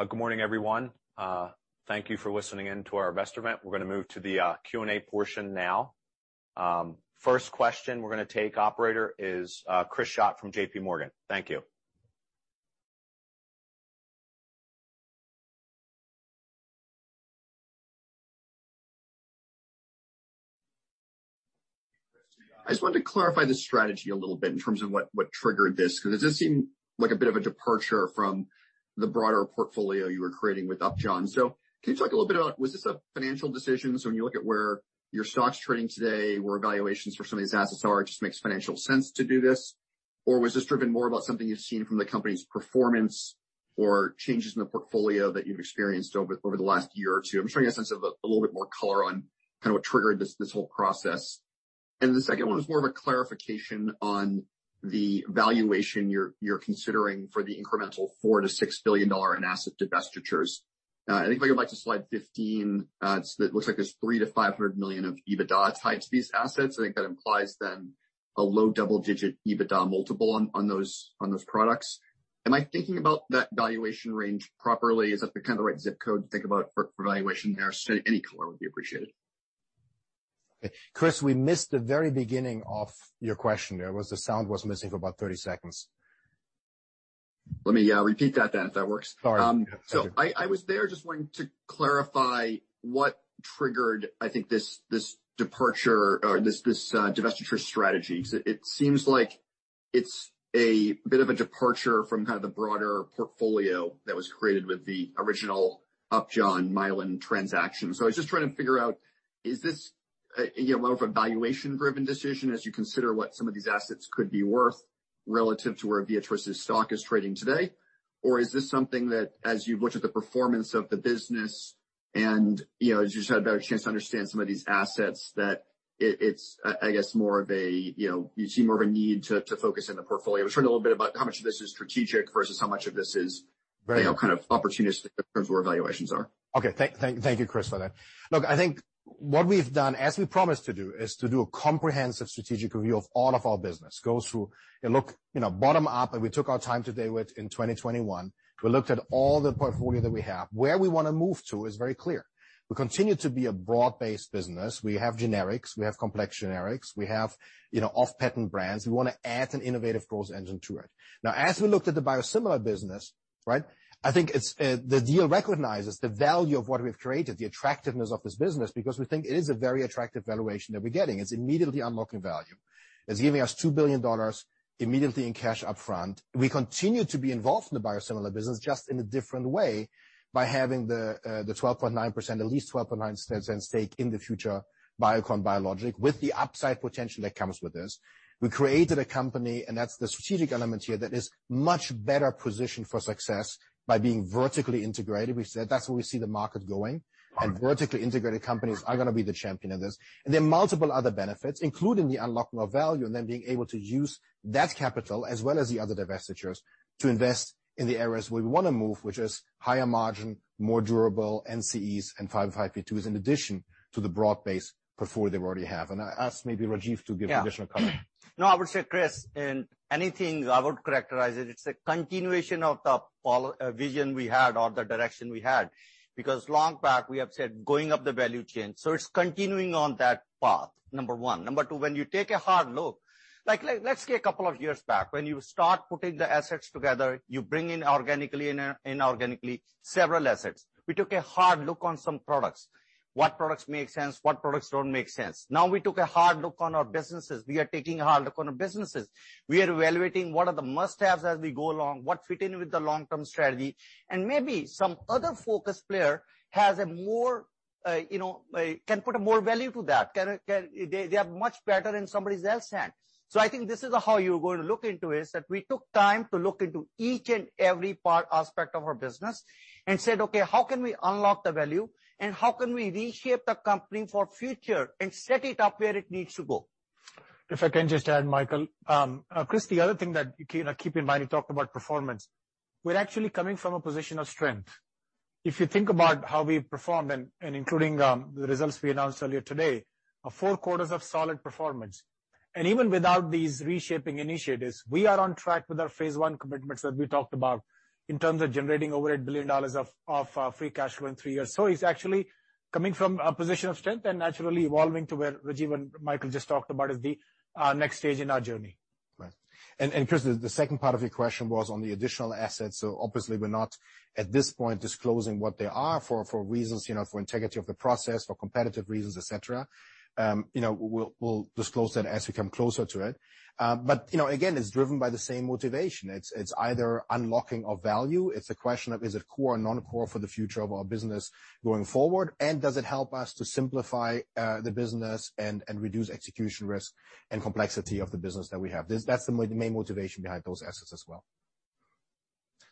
Good morning, everyone. Thank you for listening in to our investor event. We're gonna move to the Q&A portion now. First question we're gonna take, operator, is Chris Schott from JPMorgan. Thank you. I just wanted to clarify the strategy a little bit in terms of what triggered this, 'cause it does seem like a bit of a departure from the broader portfolio you were creating with Upjohn. Can you talk a little bit about was this a financial decision? When you look at where your stock's trading today, where valuations for some of these assets are, it just makes financial sense to do this. Was this driven more about something you've seen from the company's performance or changes in the portfolio that you've experienced over the last year or two? I'm just trying to get a sense of a little bit more color on kind of what triggered this whole process. The second one is more of a clarification on the valuation you're considering for the incremental $4 billion-$6 billion in asset divestitures. I think if I go back to slide 15, it looks like there's $300 million-$500 million of EBITDA tied to these assets. I think that implies then a low double-digit EBITDA multiple on those products. Am I thinking about that valuation range properly? Is that the kinda right ZIP code to think about for valuation there? Any color would be appreciated. Okay. Chris, we missed the very beginning of your question there. The sound was missing for about 30 seconds. Let me repeat that then if that works. Sorry. Yeah. Thank you. I was just wanting to clarify what triggered, I think, this departure or this divestiture strategy. 'Cause it seems like it's a bit of a departure from kind of the broader portfolio that was created with the original Upjohn-Mylan transaction. I was just trying to figure out, is this, you know, more of a valuation-driven decision as you consider what some of these assets could be worth relative to where Viatris' stock is trading today? Or is this something that, as you've looked at the performance of the business and, you know, as you just had a better chance to understand some of these assets, that it's, I guess more of a, you know, you see more of a need to focus in the portfolio. Just wondering a little bit about how much of this is strategic versus how much of this is? You know, kind of opportunistic in terms of where valuations are. Okay. Thank you, Chris, for that. Look, I think what we've done, as we promised to do, is to do a comprehensive strategic review of all of our business. Go through and look, you know, bottom up, and we took our time to do it in 2021. We looked at all the portfolio that we have. Where we wanna move to is very clear. We continue to be a broad-based business. We have generics, we have complex generics, we have, you know, off-patent brands. We wanna add an innovative growth engine to it. Now, as we looked at the biosimilar business, right? I think it's the deal recognizes the value of what we've created, the attractiveness of this business, because we think it is a very attractive valuation that we're getting. It's immediately unlocking value. It's giving us $2 billion immediately in cash upfront. We continue to be involved in the biosimilar business, just in a different way by having at least 12.9% stake in the future Biocon Biologics with the upside potential that comes with this. We created a company, and that's the strategic element here, that is much better positioned for success by being vertically integrated. We said that's where we see the market going. Right. Vertically integrated companies are gonna be the champion in this. There are multiple other benefits, including the unlocking of value and then being able to use that capital as well as the other divestitures to invest in the areas where we wanna move, which is higher margin, more durable NCEs and 505(b)(2)s in addition to the broad base portfolio we already have. I ask maybe Rajiv to give-- Yeah. Additional color. No, I would say, Chris, in anything, I would characterize it. It's a continuation of the vision we had or the direction we had, because long back we have said, "Going up the value chain." It's continuing on that path, number one. Number two, when you take a hard look, let's say a couple of years back when you start putting the assets together, you bring in organically several assets. We took a hard look on some products, what products make sense, what products don't make sense. Now we took a hard look on our businesses. We are taking a hard look on our businesses. We are evaluating what are the must-haves as we go along, what fit in with the long-term strategy, and maybe some other focus player has a more, you know, can put a more value to that. They are much better in somebody else's hands. I think this is how you're going to look into it, is that we took time to look into each and every part, aspect of our business and said, "Okay, how can we unlock the value, and how can we reshape the company for future and set it up where it needs to go? If I can just add, Michael. Chris, the other thing that, you know, keep in mind, we talked about performance. We're actually coming from a position of strength. If you think about how we performed and including the results we announced earlier today, four quarters of solid performance. Even without these reshaping initiatives, we are on track with our phase I commitments that we talked about in terms of generating over $1 billion of free cash flow in three years. It's actually coming from a position of strength and naturally evolving to where Rajiv and Michael just talked about is the next stage in our journey. Right. Chris, the second part of your question was on the additional assets. Obviously we're not at this point disclosing what they are for reasons, you know, for integrity of the process, for competitive reasons, et cetera. You know, we'll disclose that as we come closer to it. You know, again, it's driven by the same motivation. It's either unlocking of value. It's a question of is it core or non-core for the future of our business going forward, and does it help us to simplify the business and reduce execution risk and complexity of the business that we have? That's the main motivation behind those assets as well.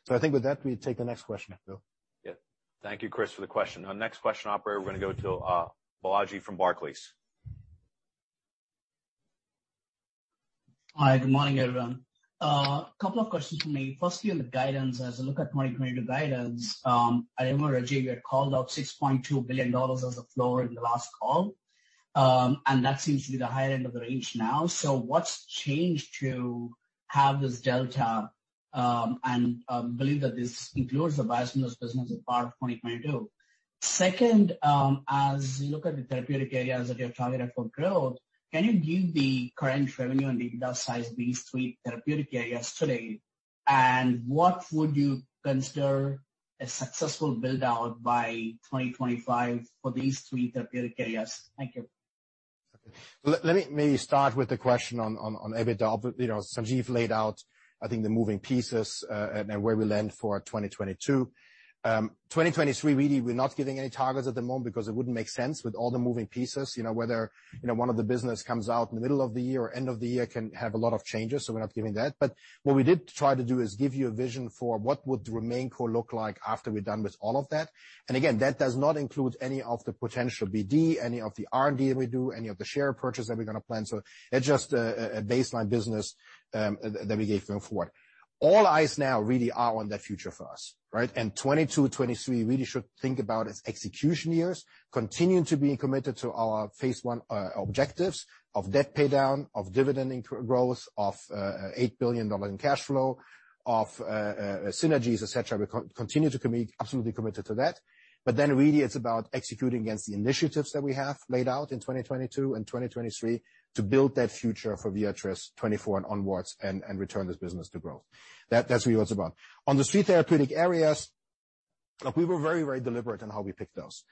I think with that, we take the next question now, Bill. Yeah. Thank you, Chris, for the question. Our next question, operator, we're gonna go to Balaji from Barclays. Hi. Good morning, everyone. Couple of questions from me. Firstly, on the guidance, as I look at 2022 guidance, I remember, Rajiv, you had called out $6.2 billion as the floor in the last call, and that seems to be the higher end of the range now. What's changed to have this delta, and believe that this includes the biosimilars business as part of 2022? Second, as you look at the therapeutic areas that you're targeting for growth, can you give the current revenue and EBITDA size of these three therapeutic areas today? What would you consider a successful build-out by 2025 for these three therapeutic areas? Thank you. Okay. Let me maybe start with the question on EBITDA. You know, Sanjeev laid out, I think, the moving pieces, and where we land for 2022. 2023, really we're not giving any targets at the moment because it wouldn't make sense with all the moving pieces. You know, whether, you know, one of the business comes out in the middle of the year or end of the year can have a lot of changes, so we're not giving that. What we did try to do is give you a vision for what would the RemainCo look like after we're done with all of that. Again, that does not include any of the potential BD, any of the R&D that we do, any of the share purchase that we're gonna plan. It's just a baseline business that we gave going forward. All eyes now really are on the future for us, right? 2022, 2023 we really should think about as execution years, continuing to be committed to our phase I objectives of debt paydown, of dividend growth, of $8 billion in cash flow, of synergies, etc. We continue to commit, absolutely committed to that. Really it's about executing against the initiatives that we have laid out in 2022 and 2023 to build that future for Viatris 2024 and onwards and return this business to growth. That's what it's about. On the three therapeutic areas, look, we were very deliberate on how we picked those.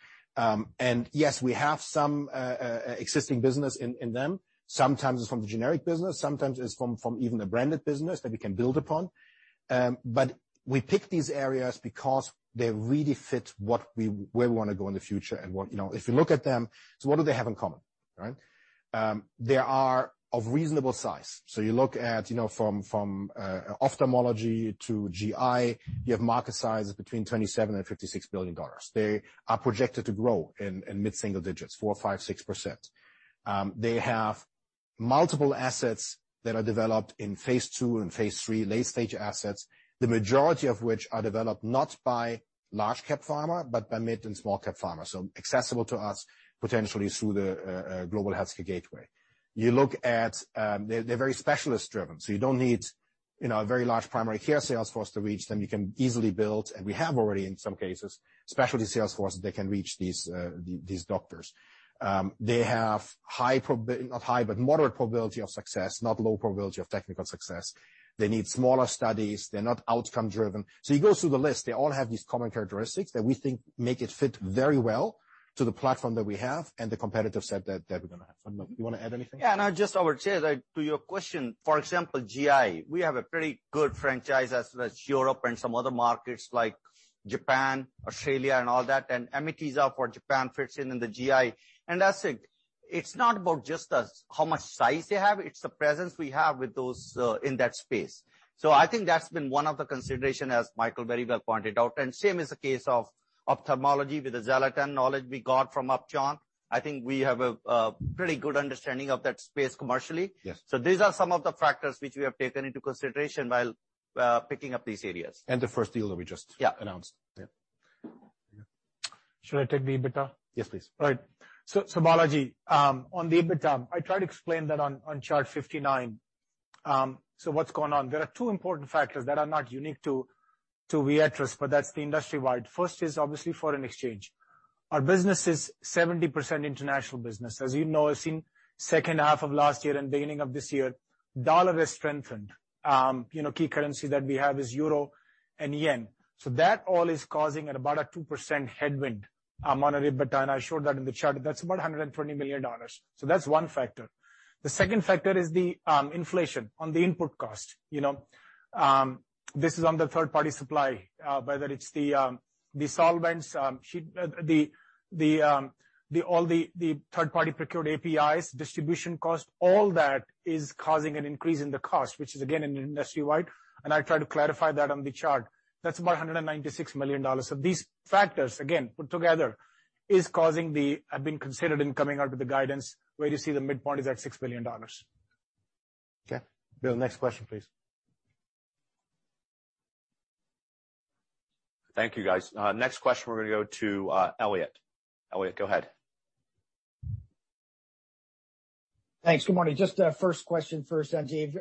Yes, we have some existing business in them. Sometimes it's from the generic business, sometimes it's from even the branded business that we can build upon. We picked these areas because they really fit what we, where we wanna go in the future and what. You know, if you look at them, what do they have in common, right? They are of reasonable size. You look at, you know, from ophthalmology to GI, you have market sizes between $27 billion-$56 billion. They are projected to grow in mid-single digits, 4%-6%. They have multiple assets that are developed in phase II and phase III, late-stage assets, the majority of which are developed not by large cap pharma, but by mid and small cap pharma. Accessible to us potentially through the global healthcare gateway. You look at, they're very specialist-driven, so you don't need, you know, a very large primary care sales force to reach them. You can easily build, and we have already in some cases, specialty sales forces that can reach these these doctors. They have not high, but moderate probability of success, not low probability of technical success. They need smaller studies. They're not outcome driven. You go through the list, they all have these common characteristics that we think make it fit very well to the platform that we have and the competitive set that we're gonna have. I don't know, you wanna add anything? Yeah, I just would say that to your question, for example, GI, we have a pretty good franchise as Europe and some other markets like Japan, Australia and all that. Amitiza for Japan fits in the GI. That's it. It's not about just as how much size they have, it's the presence we have with those in that space. I think that's been one of the consideration, as Michael very well pointed out. Same as the case of ophthalmology, with the Xalatan knowledge we got from Upjohn, I think we have a pretty good understanding of that space commercially. Yes. These are some of the factors which we have taken into consideration while picking up these areas. The first deal that we just announced. Yeah. Should I take the EBITDA? Yes, please. All right. Balaji, on the EBITDA, I tried to explain that on chart 59. What's going on? There are two important factors that are not unique to Viatris, but that's the industry-wide. First is obviously foreign exchange. Our business is 70% international business. As you know, since second half of last year and beginning of this year, dollar has strengthened. You know, key currency that we have is euro and yen. So that all is causing about a 2% headwind on EBITDA, and I showed that in the chart. That's about $120 million. So that's one factor. The second factor is the inflation on the input cost, you know. This is on the third party supply, whether it's the solvents, all the third party procured APIs, distribution cost, all that is causing an increase in the cost, which is again industry-wide. I tried to clarify that on the chart. That's about $196 million. These factors, again, put together have been considered in coming out with the guidance, where you see the midpoint is at $6 billion. Okay. Bill, next question, please. Thank you, guys. Next question, we're gonna go to Elliot. Elliot, go ahead. Thanks. Good morning. Just first question first, Sanjeev.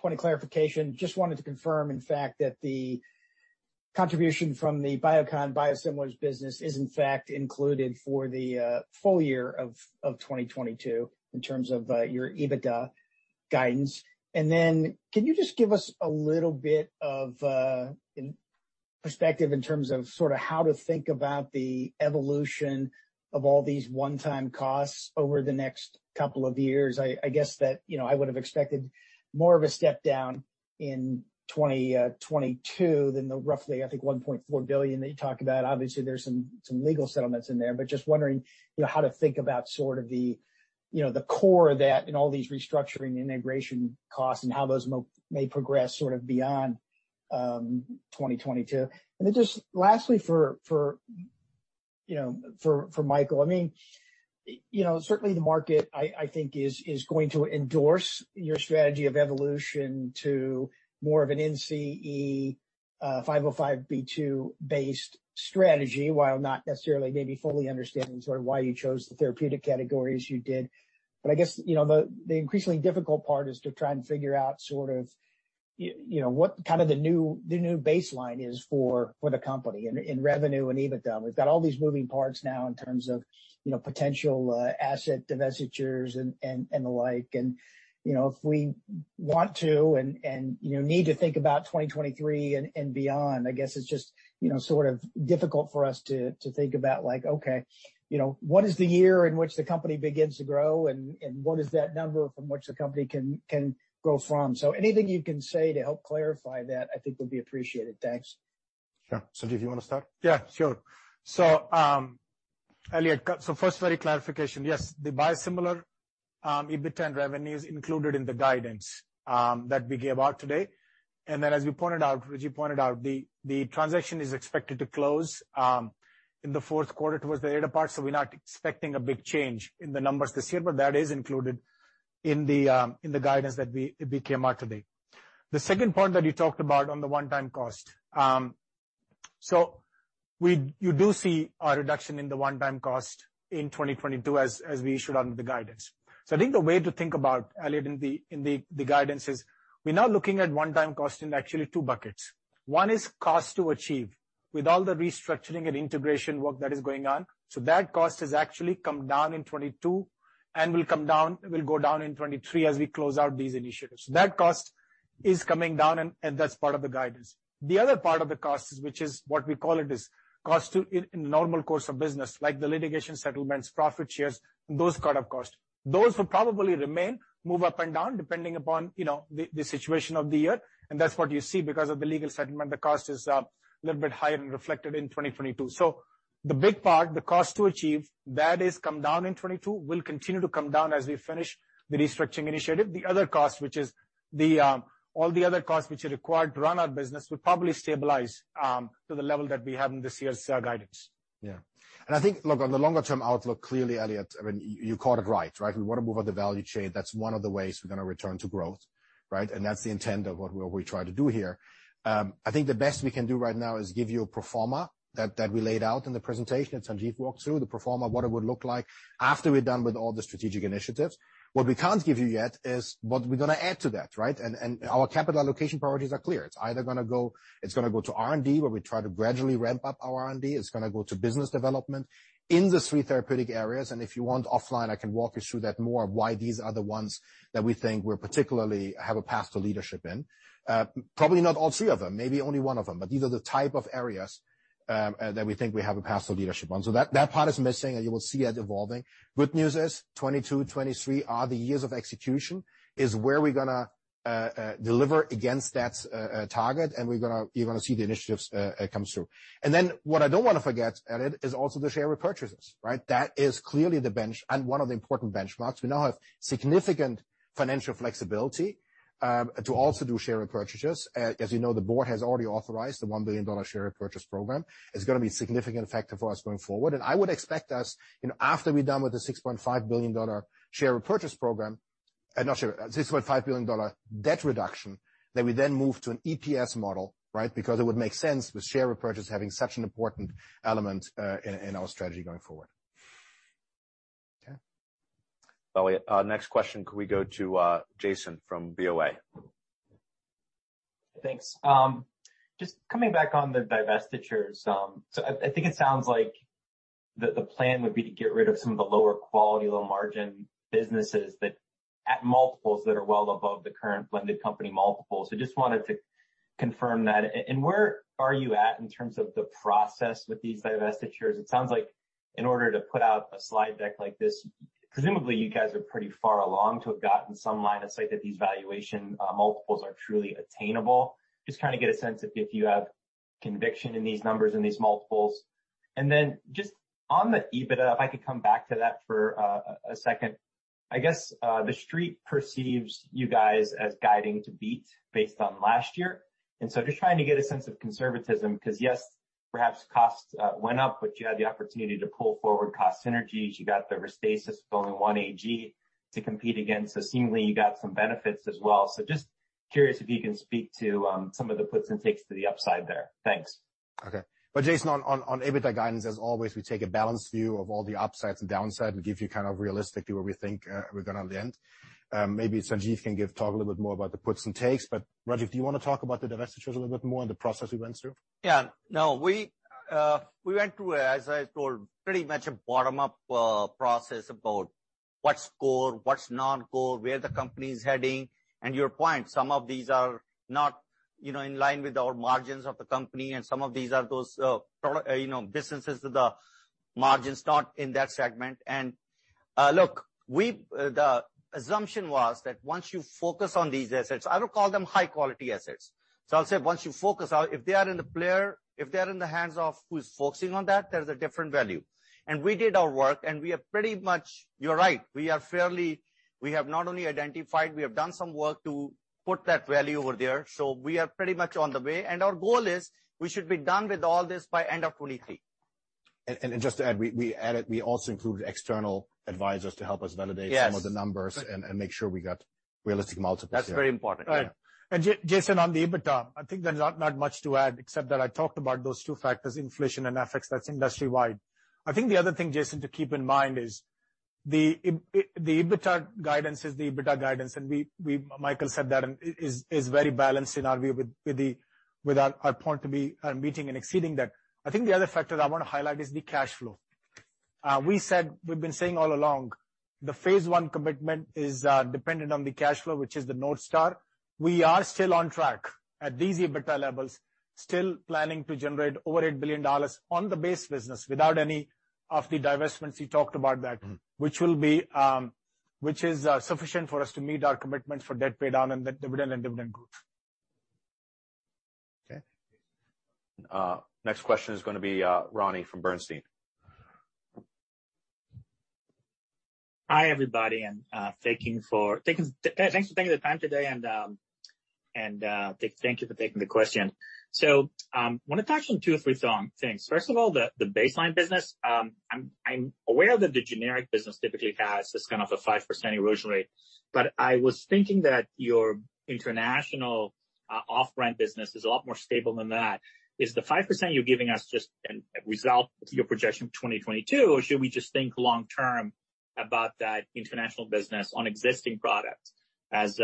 Point of clarification, just wanted to confirm, in fact, that the contribution from the Biocon biosimilars business is in fact included for the full year of 2022 in terms of your EBITDA guidance. Then can you just give us a little bit of perspective in terms of sort of how to think about the evolution of all these one-time costs over the next couple of years? I guess that, you know, I would have expected more of a step down in 2022 than the roughly, I think $1.4 billion that you talked about. Obviously, there's some legal settlements in there, but just wondering, you know, how to think about sort of the, you know, the core of that and all these restructuring, integration costs and how those may progress sort of beyond 2022. Then just lastly for Michael, I mean, you know, certainly the market I think is going to endorse your strategy of evolution to more of an NCE 505(b)(2)-based strategy, while not necessarily maybe fully understanding sort of why you chose the therapeutic categories you did. I guess, you know, the increasingly difficult part is to try and figure out sort of you know, what kind of the new baseline is for the company in revenue and EBITDA. We've got all these moving parts now in terms of, you know, potential asset divestitures and the like. You know, if we want to and need to think about 2023 and beyond, I guess it's just, you know, sort of difficult for us to think about like, okay, you know, what is the year in which the company begins to grow, and what is that number from which the company can grow from? So anything you can say to help clarify that I think would be appreciated. Thanks. Sure. Sanjeev, you wanna start? Yeah, sure. Elliot, first, a clarification. Yes, the biosimilar EBITDA and revenues included in the guidance that we gave out today. Then as you pointed out, the transaction is expected to close in the fourth quarter towards the later part, so we're not expecting a big change in the numbers this year, but that is included in the guidance that we came out today. The second point that you talked about on the one-time cost. You do see a reduction in the one-time cost in 2022 as we guided under the guidance. I think the way to think about, Elliot, in the guidance is we're now looking at one-time cost in actually two buckets. One is cost to achieve with all the restructuring and integration work that is going on. That cost has actually come down in 2022 and will come down will go down in 2023 as we close out these initiatives. That cost is coming down and that's part of the guidance. The other part of the cost is costs in normal course of business, like the litigation settlements, profit shares, those kind of costs. Those will probably remain, move up and down, depending upon, you know, the situation of the year. That's what you see because of the legal settlement, the cost is a little bit higher and reflected in 2022. The big part, the cost to achieve that has come down in 2022, will continue to come down as we finish the restructuring initiative. The other cost, which is all the other costs which are required to run our business, will probably stabilize to the level that we have in this year's guidance. Yeah. I think, look, on the longer-term outlook, clearly, Elliot, I mean, you caught it right? We wanna move up the value chain. That's one of the ways we're gonna return to growth, right? That's the intent of what we're trying to do here. I think the best we can do right now is give you a pro forma that we laid out in the presentation, that Sanjiv walked through. The pro forma, what it would look like after we're done with all the strategic initiatives. What we can't give you yet is what we're gonna add to that, right? Our capital allocation priorities are clear. It's either gonna go to R&D, where we try to gradually ramp up our R&D. It's gonna go to business development in the three therapeutic areas. If you want offline, I can walk you through that more of why these are the ones that we think we're particularly have a path to leadership in. Probably not all three of them, maybe only one of them, but these are the type of areas that we think we have a path to leadership on. That part is missing, and you will see that evolving. Good news is 2022, 2023 are the years of execution, is where we're gonna deliver against that target, and we're gonna, you're gonna see the initiatives come through. Then what I don't wanna forget, Elliot, is also the share repurchases, right? That is clearly the benchmark and one of the important benchmarks. We now have significant financial flexibility to also do share repurchases. As you know, the board has already authorized the $1 billion share repurchase program. It's gonna be a significant factor for us going forward. I would expect us, you know, after we're done with the $6.5 billion debt reduction, that we then move to an EPS model, right? Because it would make sense with share repurchase having such an important element in our strategy going forward. Okay. Elliot, next question, could we go to Jason from BofA? Thanks. Just coming back on the divestitures. I think it sounds like the plan would be to get rid of some of the lower quality, low margin businesses that at multiples that are well above the current blended company multiples. Just wanted to confirm that. Where are you at in terms of the process with these divestitures? It sounds like in order to put out a slide deck like this, presumably you guys are pretty far along to have gotten some line of sight that these valuation multiples are truly attainable. Just kinda get a sense if you have conviction in these numbers and these multiples. Just on the EBITDA, if I could come back to that for a second. I guess the street perceives you guys as guiding to beat based on last year. Just trying to get a sense of conservatism, 'cause yes, perhaps costs went up, but you had the opportunity to pull forward cost synergies. You got the Restasis going one AG to compete against. Seemingly, you got some benefits as well. Just curious if you can speak to some of the puts and takes to the upside there. Thanks. Okay. Jason, on EBITDA guidance, as always, we take a balanced view of all the upsides and downsides and give you kind of realistically where we think we're gonna land. Maybe Sanjeev can talk a little bit more about the puts and takes. Rajiv, do you wanna talk about the divestitures a little bit more and the process we went through? Yeah. No, we went through, as I told, pretty much a bottom-up process about what's core, what's non-core, where the company's heading. Your point, some of these are not, you know, in line with our margins of the company, and some of these are those, you know, businesses with the margins not in that segment. Look, the assumption was that once you focus on these assets, I would call them high-quality assets. I'll say once you focus on, if they are in the player, if they're in the hands of who's focusing on that, there's a different value. We did our work. You're right. We have not only identified, we have done some work to put that value over there. We are pretty much on the way. Our goal is we should be done with all this by end of 2023. Just to add, we also included external advisors to help us validate some of the numbers and make sure we got realistic multiples. That's very important. Yeah. Right. Jason, on the EBITDA, I think there's not much to add except that I talked about those two factors, inflation and FX. That's industry-wide. I think the other thing, Jason, to keep in mind is the EBITDA guidance is the EBITDA guidance, and Michael said that and is very balanced in our view with our point to be meeting and exceeding that. I think the other factor that I wanna highlight is the cash flow. We said, we've been saying all along, the phase I commitment is dependent on the cash flow, which is the North Star. We are still on track at these EBITDA levels, still planning to generate over $8 billion on the base business without any of the divestments you talked about that. Which is sufficient for us to meet our commitment for debt paydown and the dividend and dividend growth. Okay. Next question is gonna be Ronny from Bernstein. Hi, everybody. Thank you for taking the time today and thank you for taking the question. I want to touch on two or three things. First of all, the baseline business. I'm aware that the generic business typically has this kind of a 5% erosion rate, but I was thinking that your international off-brand business is a lot more stable than that. Is the 5% you're giving us just a result of your projection of 2022, or should we just think long term about that international business on existing products as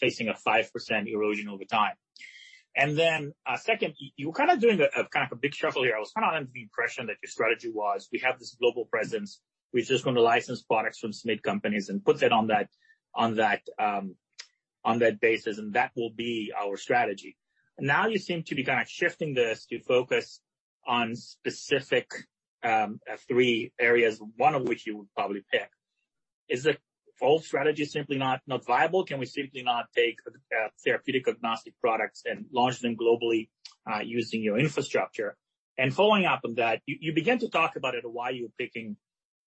facing a 5% erosion over time? Then, second, you're kind of doing a big shuffle here. I was kinda under the impression that your strategy was, we have this global presence, we're just gonna license products from small companies and put that on that basis, and that will be our strategy. Now you seem to be kinda shifting this to focus on specific three areas, one of which you would probably pick. Is the old strategy simply not viable? Can we simply not take therapeutic agnostic products and launch them globally using your infrastructure? Following up on that, you began to talk about it, why you're picking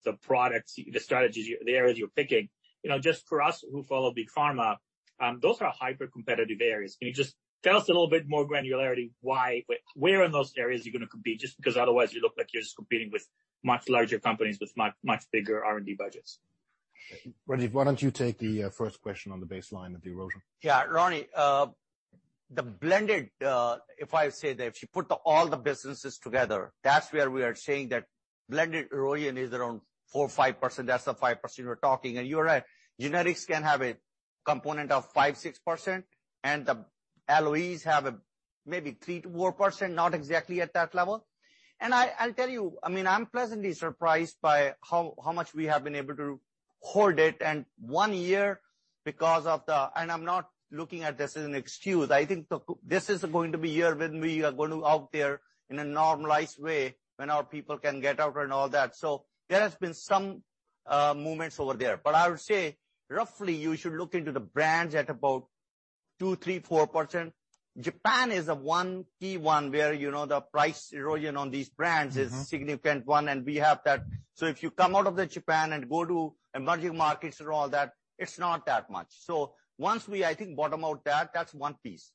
the products, the strategies, the areas you're picking. You know, just for us who follow big pharma, those are hyper-competitive areas. Can you just tell us a little bit more granularity why. Where in those areas you're gonna compete, just because otherwise you look like you're just competing with much larger companies with much, much bigger R&D budgets. Rajiv, why don't you take the first question on the baseline of the erosion? Yeah, Ronnie, the blended, if I say that if you put all the businesses together, that's where we are saying that blended erosion is around 4% or 5%. That's the 5% we're talking. You are right, generics can have a component of 5%-6%, and the LOEs have maybe 3%-4%, not exactly at that level. I'll tell you, I mean, I'm pleasantly surprised by how much we have been able to hold it in one year because of the. I'm not looking at this as an excuse. I think this is going to be a year when we are going to get out there in a normalized way, when our people can get out and all that. There has been some momentum over there. I would say, roughly, you should look into the brands at about 2%-4%. Japan is a key one where, you know, the price erosion on these brands is a significant one, and we have that. If you come out of the Japan and go to emerging markets and all that, it's not that much. Once we, I think, bottom out that's one piece.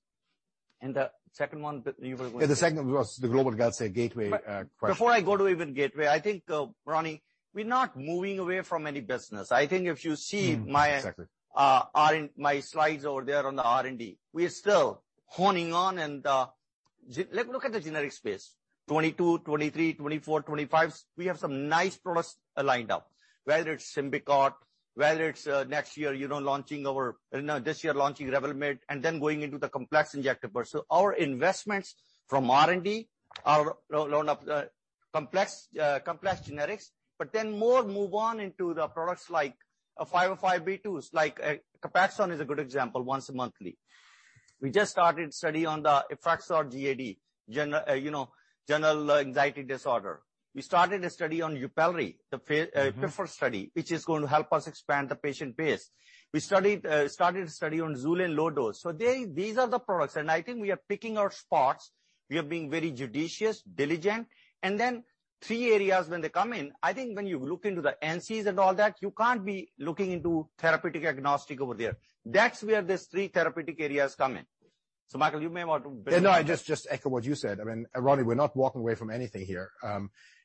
The second one that you were going to-- Yeah, the second was the Global Gateway question. Before I go to even Gateway, I think, Ronnie, we're not moving away from any business. I think if you see my-- Exactly. My slides over there on the R&D, we are still honing in on. Look at the generic space, 2022, 2023, 2024, 2025. We have some nice products lined up, whether it's Symbicort, whether it's next year, you know. You know, this year launching REVLIMID, and then going into the complex injectable. Our investments from R&D are complex generics, but then we're moving more into the products like 505(b)(2)s. Like, Copaxone is a good example, once-monthly. We just started a study on the Effexor GAD, you know, general anxiety disorder. We started a study on YUPELRI, the PHASED study, which is going to help us expand the patient base. We started a study on Xulane Lo dose. These are the products and I think we are picking our spots. We are being very judicious, diligent. Three areas when they come in, I think when you look into the NCEs and all that, you can't be looking into therapeutically agnostic over there. That's where these three therapeutic areas come in. Michael, you may want to build on that. Yeah, no. I just echo what you said. I mean, Ronny, we're not walking away from anything here.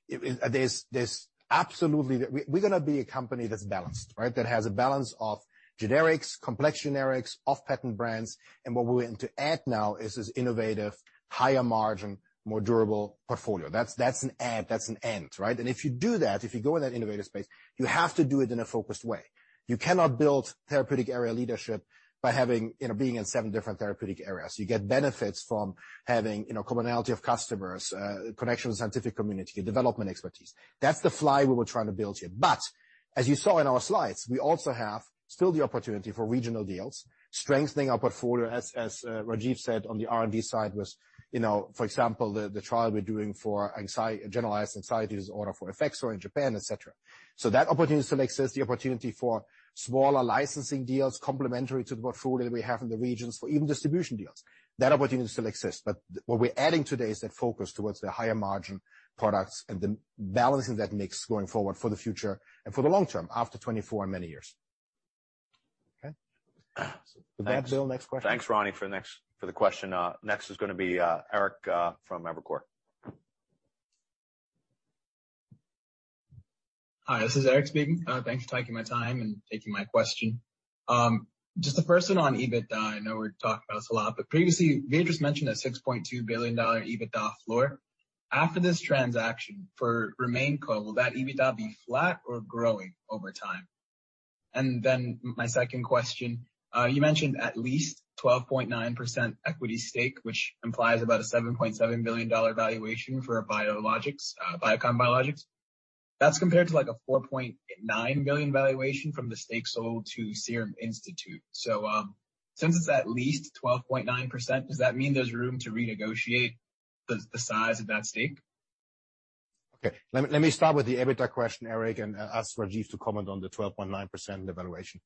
There's absolutely. We're gonna be a company that's balanced, right? That has a balance of generics, complex generics, off-patent brands, and what we're going to add now is this innovative, higher margin, more durable portfolio. That's an add, that's an end, right? If you do that, if you go in that innovative space, you have to do it in a focused way. You cannot build therapeutic area leadership by having you know, being in seven different therapeutic areas. You get benefits from having, you know, commonality of customers, connection with scientific community, development expertise. That's the flywheel we were trying to build here. As you saw in our slides, we also have still the opportunity for regional deals, strengthening our portfolio, as Rajiv said on the R&D side was, you know, for example, the trial we're doing for generalized anxiety disorder for Effexor in Japan, et cetera. That opportunity still exists, the opportunity for smaller licensing deals complementary to the portfolio we have in the regions or even distribution deals. That opportunity still exists. What we're adding today is that focus towards the higher margin products and the balances that makes going forward for the future and for the long term, after 2024 and many years. Okay. Thanks. With that, Bill, next question. Thanks, Ronnie, for the question. Next is gonna be Eric from Evercore. Hi, this is Eric speaking. Thanks for taking the time and taking my question. Just the first one on EBITDA. I know we've talked about this a lot, but previously, we've just mentioned a $6.2 billion EBITDA floor. After this transaction for RemainCo, will that EBITDA be flat or growing over time? And then my second question, you mentioned at least 12.9% equity stake, which implies about a $7.7 billion valuation for Biocon Biologics. That's compared to like a $4.9 billion valuation from the stake sold to Serum Institute. Since it's at least 12.9%, does that mean there's room to renegotiate the size of that stake? Okay. Let me start with the EBITDA question, Eric, and ask Rajiv to comment on the 12.9% valuation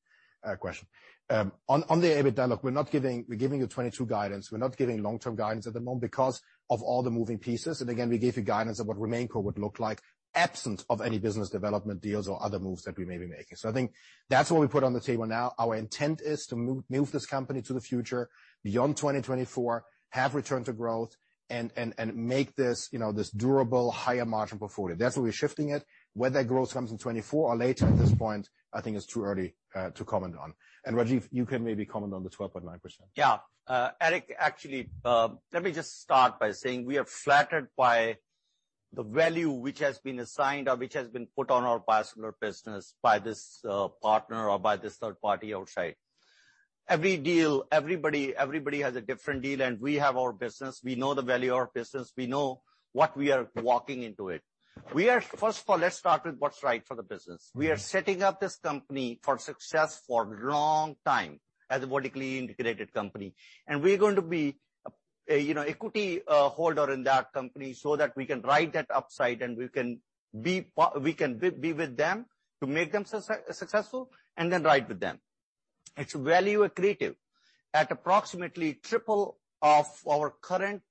question. On the EBITDA look, we're giving you 2022 guidance. We're not giving long-term guidance at the moment because of all the moving pieces. Again, we gave you guidance of what RemainCo would look like absent of any business development deals or other moves that we may be making. I think that's what we put on the table now. Our intent is to move this company to the future beyond 2024, have return to growth and make this, you know, this durable higher margin portfolio. That's where we're shifting it. Whether that growth comes in 2024 or later at this point, I think it's too early to comment on. Rajiv, you can maybe comment on the 12.9%. Yeah. Eric, actually, let me just start by saying we are flattered by the value which has been assigned or which has been put on our biosimilar business by this, partner or by this third party outside. Every deal, everybody has a different deal, and we have our business. We know the value of our business. We know what we are walking into it. We are. First of all, let's start with what's right for the business. We are setting up this company for success for long time as a vertically integrated company, and we're going to be. You know, equity holder in that company so that we can ride that upside and we can be with them to make them successful and then ride with them. It's value accretive at approximately triple of our current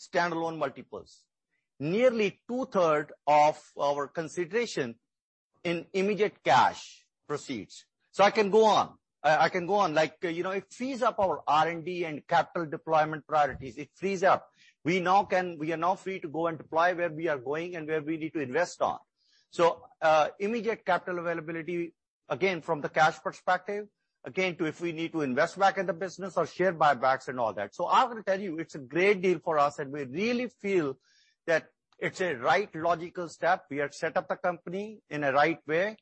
standalone multiples. Nearly 2/3s of our consideration in immediate cash proceeds. I can go on. Like, you know, it frees up our R&D and capital deployment priorities. It frees up. We are now free to go and deploy where we are going and where we need to invest on. Immediate capital availability, again, from the cash perspective, again, to if we need to invest back in the business or share buybacks and all that. I'm gonna tell you, it's a great deal for us, and we really feel that it's a right logical step. We have set up the company in a right way.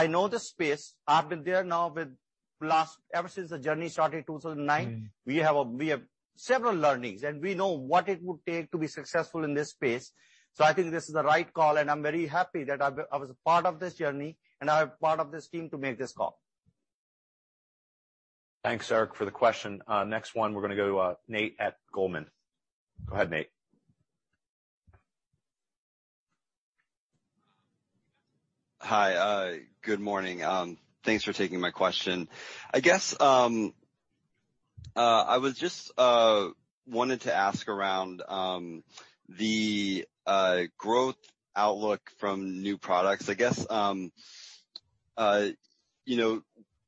I know the space. I've been there now ever since the journey started, 2009 We have several learnings, and we know what it would take to be successful in this space. I think this is the right call, and I'm very happy that I was a part of this journey, and I'm part of this team to make this call. Thanks, Eric, for the question. Next one, we're gonna go to Nate at Goldman. Go ahead, Nate. Hi. Good morning. Thanks for taking my question. I guess I just wanted to ask around the growth outlook from new products. I guess you know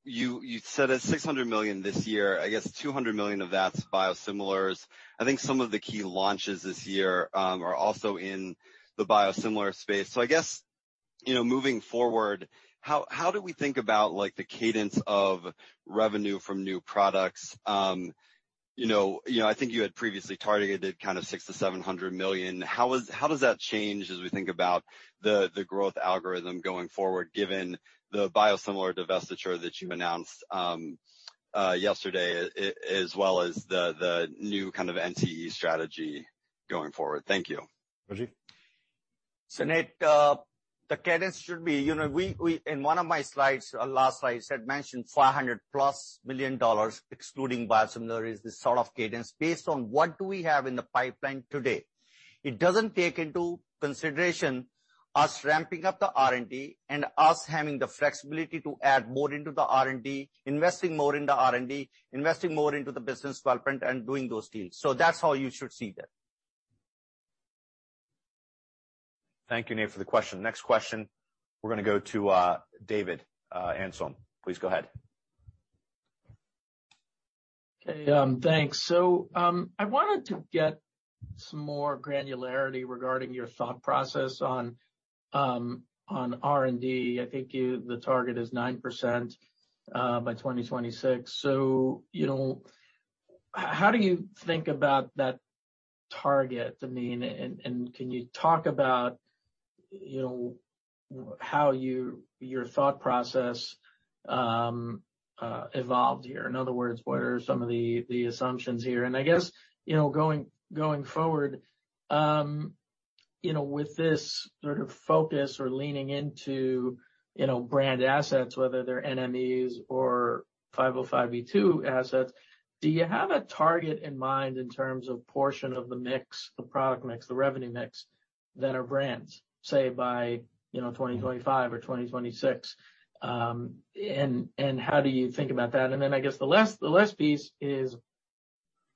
you said it's $600 million this year. I guess $200 million of that's biosimilars. I think some of the key launches this year are also in the biosimilar space. I guess you know moving forward how do we think about like the cadence of revenue from new products? You know I think you had previously targeted kind of $600 million-$700 million. How does that change as we think about the growth algorithm going forward given the biosimilar divestiture that you announced yesterday as well as the new kind of NCE strategy going forward? Thank you. Rajiv? Nate, the cadence should be. You know, in one of my slides, our last slide, I had mentioned $400 million+, excluding biosimilars, the sort of cadence based on what do we have in the pipeline today. It doesn't take into consideration us ramping up the R&D and us having the flexibility to add more into the R&D, investing more in the R&D, investing more into the business development and doing those deals. That's how you should see that. Thank you, Nate, for the question. Next question, we're gonna go to David Amsellem. Please go ahead. Okay, thanks. I wanted to get some more granularity regarding your thought process on R&D. I think the target is 9% by 2026. How do you think about that target? I mean, can you talk about how your thought process evolved here? In other words, what are some of the assumptions here? I guess, going forward, with this sort of focus or leaning into brand assets, whether they're NCEs or 505(b)(2) assets, do you have a target in mind in terms of portion of the mix, the product mix, the revenue mix that are brands, say by 2025 or 2026? How do you think about that? I guess the last piece is,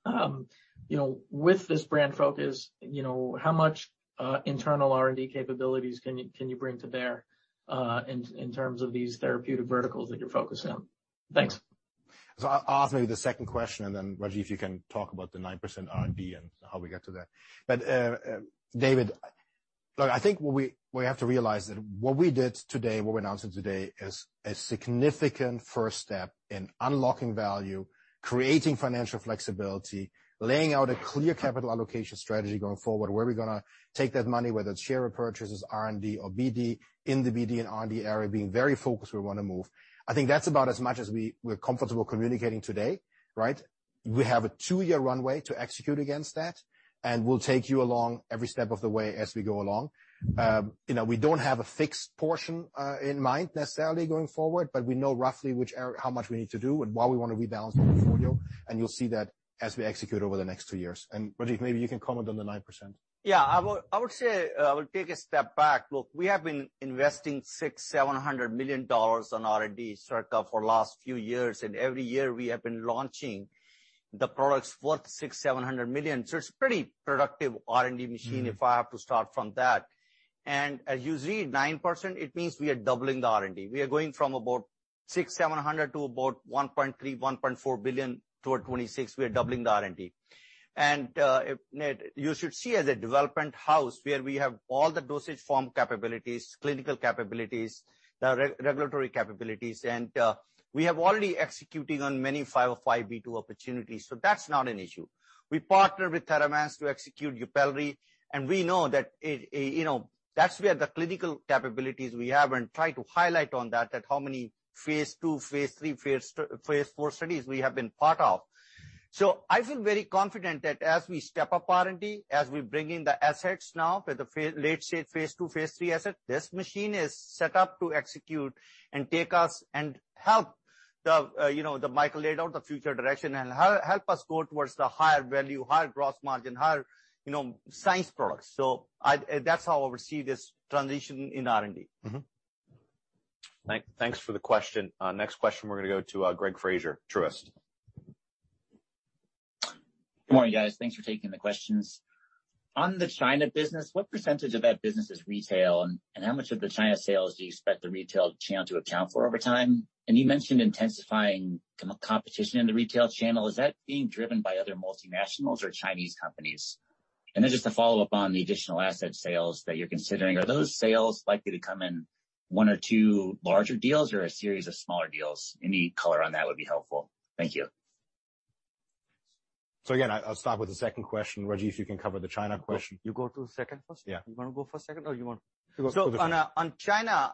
you know, with this brand focus, you know, how much internal R&D capabilities can you bring to bear, in terms of these therapeutic verticals that you're focused on? Thanks. I'll ask maybe the second question, and then Rajiv, if you can talk about the 9% R&D and how we get to that. David, look, I think what we have to realize that what we did today, what we're announcing today is a significant first step in unlocking value, creating financial flexibility, laying out a clear capital allocation strategy going forward, where we're gonna take that money, whether it's share repurchases, R&D or BD, in the BD and R&D area, being very focused where we wanna move. I think that's about as much as we're comfortable communicating today, right? We have a two-year runway to execute against that, and we'll take you along every step of the way as we go along. You know, we don't have a fixed portion in mind necessarily going forward, but we know roughly how much we need to do and why we wanna rebalance the portfolio, and you'll see that as we execute over the next two years. Rajiv, maybe you can comment on the 9%. Yeah, I would say I would take a step back. Look, we have been investing $600 million-$700 million on R&D for the last few years, and every year we have been launching the products worth $600 million-$700 million. It's pretty productive R&D machine. If I have to start from that. As you read 9%, it means we are doubling the R&D. We are going from about $600-$700 to about $1.3-$1.4 billion toward 2026. We are doubling the R&D. Ned, you should see as a development house where we have all the dosage form capabilities, clinical capabilities, the regulatory capabilities, and we have already executing on many 505(b)(2) opportunities. So that's not an issue. We partner with Theravance to execute YUPELRI, and we know that it, you know, that's where the clinical capabilities we have and try to highlight on that, how many phase II, phase III, phase IV studies we have been part of. I feel very confident that as we step up R&D, as we bring in the assets now with the late-stage phase II, phase III asset, this machine is set up to execute and take us and help, you know, the Michael laid out the future direction and help us go towards the higher value, higher gross margin, higher, you know, science products. That's how I would see this transition in R&D. Thanks for the question. Next question, we're gonna go to Greg Fraser, Truist. Good morning, guys. Thanks for taking the questions. On the China business, what percentage of that business is retail, and how much of the China sales do you expect the retail channel to account for over time? You mentioned intensifying competition in the retail channel. Is that being driven by other multinationals or Chinese companies? To follow up on the additional asset sales that you're considering, are those sales likely to come in one or two larger deals or a series of smaller deals? Any color on that would be helpful. Thank you. Again, I'll start with the second question. Rajiv, if you can cover the China question. You go to the second first? Yeah. You wanna go for second or you want? Go for China. On China,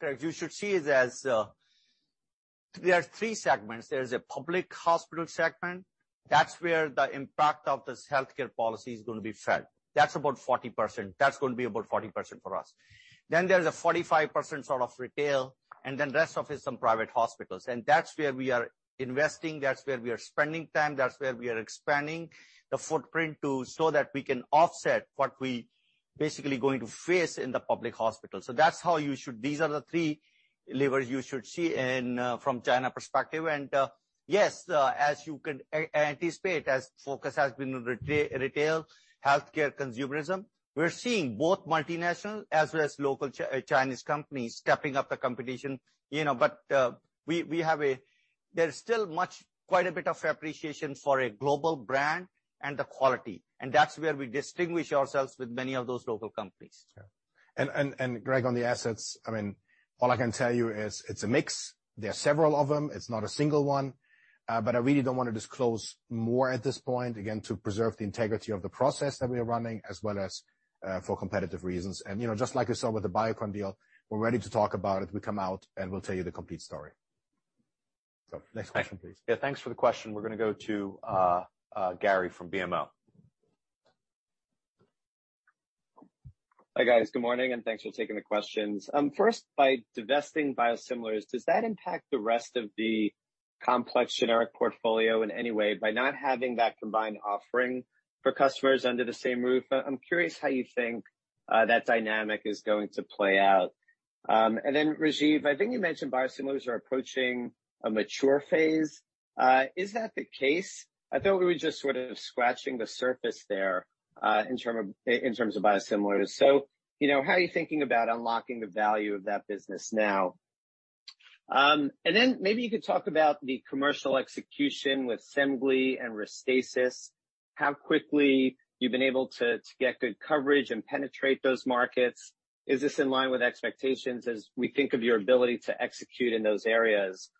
Greg, you should see it as there are three segments. There is a Public Hospital segment. That's where the impact of this healthcare policy is gonna be felt. That's about 40%. That's gonna be about 40% for us. Then there's a 45% sort of retail, and then rest of it is some private hospitals. That's where we are investing. That's where we are spending time. That's where we are expanding the footprint to so that we can offset what we basically going to face in the public hospital. That's how these are the three levers you should see in from China perspective. Yes, as you can anticipate, as focus has been on retail healthcare consumerism, we're seeing both multinational as well as local Chinese companies stepping up the competition, you know. There is still quite a bit of appreciation for a global brand and the quality, and that's where we distinguish ourselves with many of those local companies. Greg, on the assets, I mean, all I can tell you is it's a mix. There are several of them. It's not a single one. But I really don't wanna disclose more at this point, again, to preserve the integrity of the process that we are running, as well as, for competitive reasons. You know, just like you saw with the Biocon deal, we're ready to talk about it. We come out, and we'll tell you the complete story. Next question, please. Yeah, thanks for the question. We're gonna go to Gary from BMO. Hi, guys. Good morning, and thanks for taking the questions. First, by divesting biosimilars, does that impact the rest of the complex generic portfolio in any way by not having that combined offering for customers under the same roof? I'm curious how you think that dynamic is going to play out. Then Rajiv, I think you mentioned biosimilars are approaching a mature phase. Is that the case? I thought we were just sort of scratching the surface there in terms of biosimilars. You know, how are you thinking about unlocking the value of that business now? Then maybe you could talk about the commercial execution with Semglee and Restasis. How quickly you've been able to get good coverage and penetrate those markets. Is this in line with expectations as we think of your ability to execute in those areas?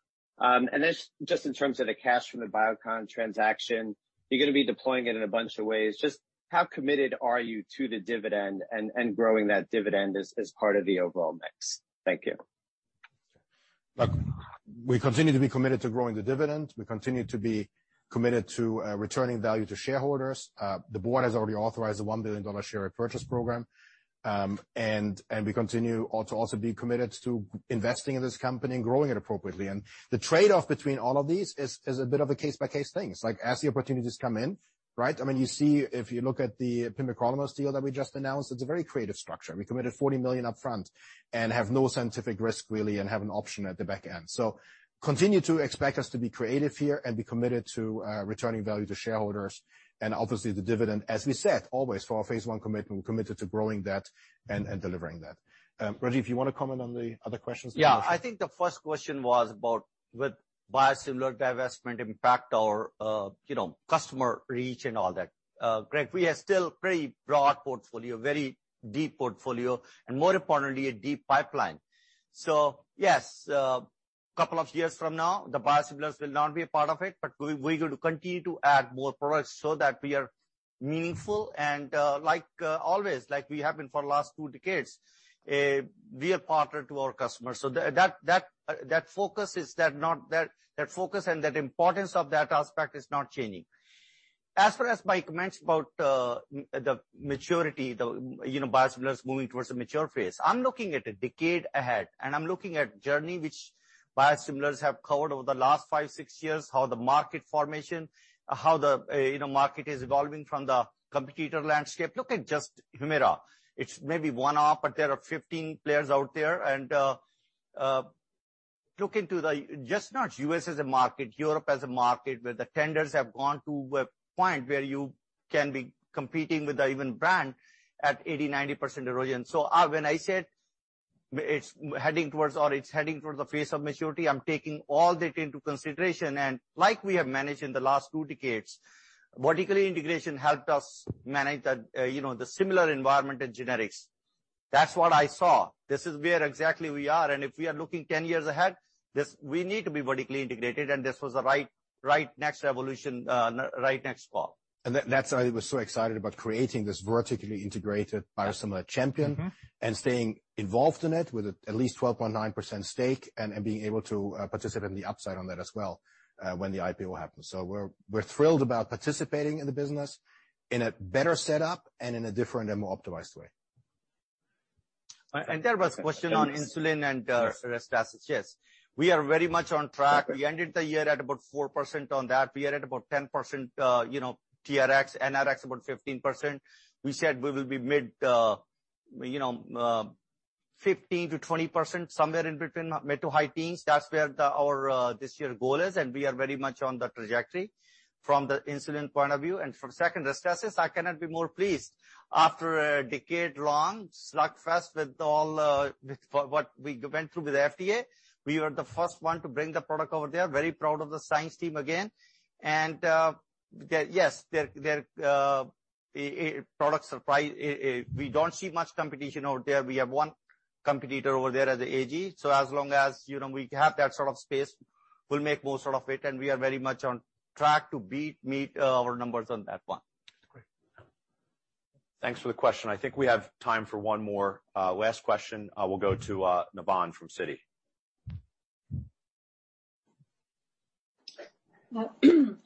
Just in terms of the cash from the Biocon transaction, you're gonna be deploying it in a bunch of ways. Just how committed are you to the dividend and growing that dividend as part of the overall mix? Thank you. Look, we continue to be committed to growing the dividend. We continue to be committed to returning value to shareholders. The board has already authorized a $1 billion share repurchase program. We continue also to be committed to investing in this company and growing it appropriately. The trade-off between all of these is a bit of a case-by-case thing. It's like, as the opportunities come in, right? I mean, you see if you look at the pimecrolimus deal that we just announced, it's a very creative structure. We committed $40 million up front and have no scientific risk really, and have an option at the back end. Continue to expect us to be creative here and be committed to returning value to shareholders and obviously the dividend, as we said, always for our phase I commitment, we're committed to growing that and delivering that. Rajiv, you wanna comment on the other questions? Yeah. I think the first question was about would biosimilar divestment impact our, you know, customer reach and all that? Greg, we are still pretty broad portfolio, very deep portfolio, and more importantly, a deep pipeline. Yes, couple of years from now, the biosimilars will not be a part of it, but we're going to continue to add more products so that we are meaningful and, like, always, like we have been for the last two decades, we are partnered to our customers. That focus and that importance of that aspect is not changing. As far as my comments about the maturity, the, you know, biosimilars moving towards a mature phase, I'm looking at a decade ahead, and I'm looking at journey which biosimilars have covered over the last five, six years, how the market formation, how the, you know, market is evolving from the competitor landscape. Look at just Humira. It's maybe one off, but there are 15 players out there. Look into the just not U.S. as a market, Europe as a market, where the tenders have gone to a point where you can be competing with the even brand at 80%, 90% erosion. When I said it's heading towards or it's heading towards the phase of maturity, I'm taking all that into consideration. Like we have managed in the last two decades, vertical integration helped us manage that, you know, the similar environment in generics. That's what I saw. This is where exactly we are. If we are looking 10 years ahead, this, we need to be vertically integrated, and this was the right next revolution in the right next spot. That's why we're so excited about creating this vertically integrated biosimilar champion. Staying involved in it with at least 12.9% stake and being able to participate in the upside on that as well when the IPO happens. We're thrilled about participating in the business in a better setup and in a different and more optimized way. There was a question on insulin and Restasis. Yes. We are very much on track. We ended the year at about 4% on that. We are at about 10%, you know, TRX, NRX about 15%. We said we will be mid 15%-20%, somewhere in between mid- to high teens, that's where our this year goal is, and we are very much on the trajectory from the inception point of view. From successes, I cannot be more pleased. After a decade long slugfest with what we went through with the FDA, we were the first one to bring the product over there. Very proud of the science team again. Yes, the product's upside, we don't see much competition over there. We have one competitor over there as AG. So as long as you know we have that sort of space, we'll make most of it. We are very much on track to meet our numbers on that one. Great. Thanks for the question. I think we have time for one more. Last question will go to Navann Ty from Citi.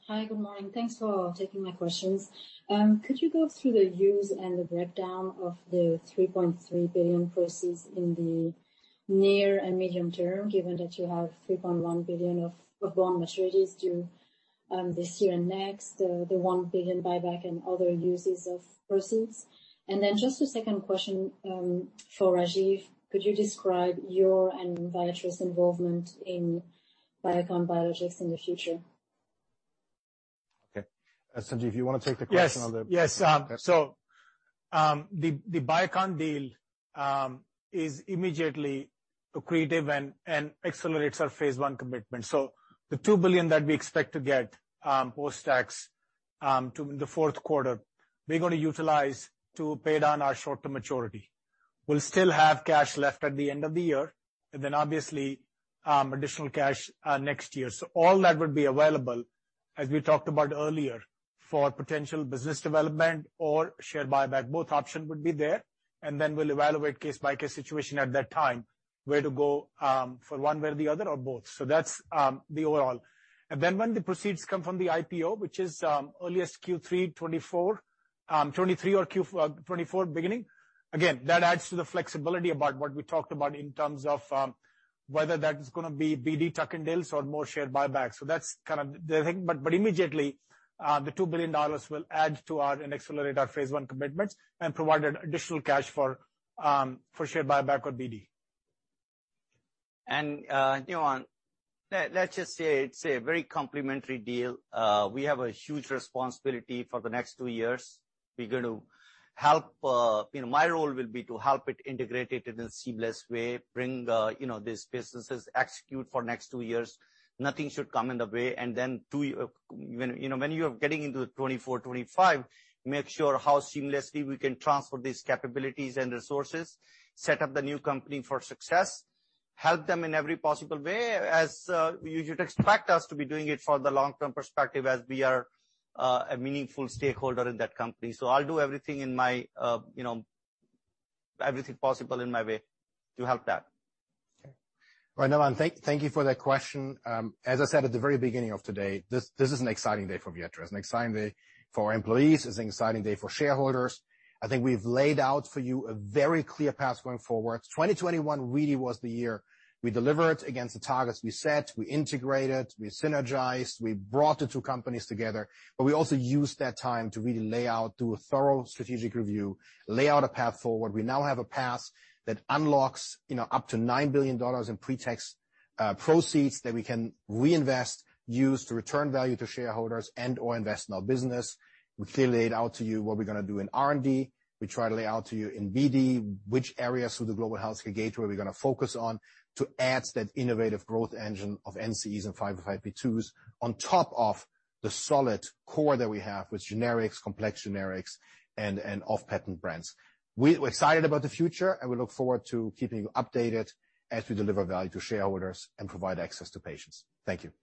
Hi, good morning. Thanks for taking my questions. Could you go through the use and the breakdown of the $3.3 billion proceeds in the near and medium term, given that you have $3.1 billion of bond maturities due this year and next, the $1 billion buyback and other uses of proceeds? Just a second question, for Rajiv. Could you describe your and Viatris involvement in Biocon Biologics in the future? Okay. Sanjeev, you wanna take the question on the Yes. The Biocon deal is immediately accretive and accelerates our phase I commitment. The $2 billion that we expect to get post-tax to the fourth quarter, we're gonna utilize to pay down our short-term maturity. We'll still have cash left at the end of the year, and then obviously additional cash next year. All that would be available, as we talked about earlier, for potential business development or share buyback. Both options would be there. We'll evaluate case by case situation at that time, where to go for one way or the other, or both. That's the overall. Then when the proceeds come from the IPO, which is earliest Q3 2024 or Q4 2024 beginning, again, that adds to the flexibility about what we talked about in terms of whether that is gonna be BD tuck-in deals or more share buybacks. That's kind of the thing. Immediately, the $2 billion will add to our and accelerate our phase I commitments and provide additional cash for share buyback or BD. Navann, let's just say it's a very complementary deal. We have a huge responsibility for the next two years. We're going to help. You know, my role will be to help it integrate it in a seamless way, bring you know, these businesses, execute for next two years. Nothing should come in the way. Too, you know, when you are getting into 2024, 2025, make sure how seamlessly we can transfer these capabilities and resources, set up the new company for success, help them in every possible way, as you should expect us to be doing it for the long-term perspective as we are a meaningful stakeholder in that company. I'll do everything possible in my, you know, way to help that. Okay. Right. Navann, thank you for that question. As I said at the very beginning of today, this is an exciting day for Viatris. An exciting day for our employees. It's an exciting day for shareholders. I think we've laid out for you a very clear path going forward. 2021 really was the year we delivered against the targets we set. We integrated, we synergized, we brought the two companies together, but we also used that time to really lay out, do a thorough strategic review, lay out a path forward. We now have a path that unlocks, you know, up to $9 billion in pre-tax proceeds that we can reinvest, use to return value to shareholders, and/or invest in our business. We clearly laid out to you what we're gonna do in R&D. We try to lay out to you in BD which areas through the global health engagement we're gonna focus on to add to that innovative growth engine of NCEs and 505(b)(2)s on top of the solid core that we have with generics, complex generics, and off-patent brands. We're excited about the future, and we look forward to keeping you updated as we deliver value to shareholders and provide access to patients. Thank you.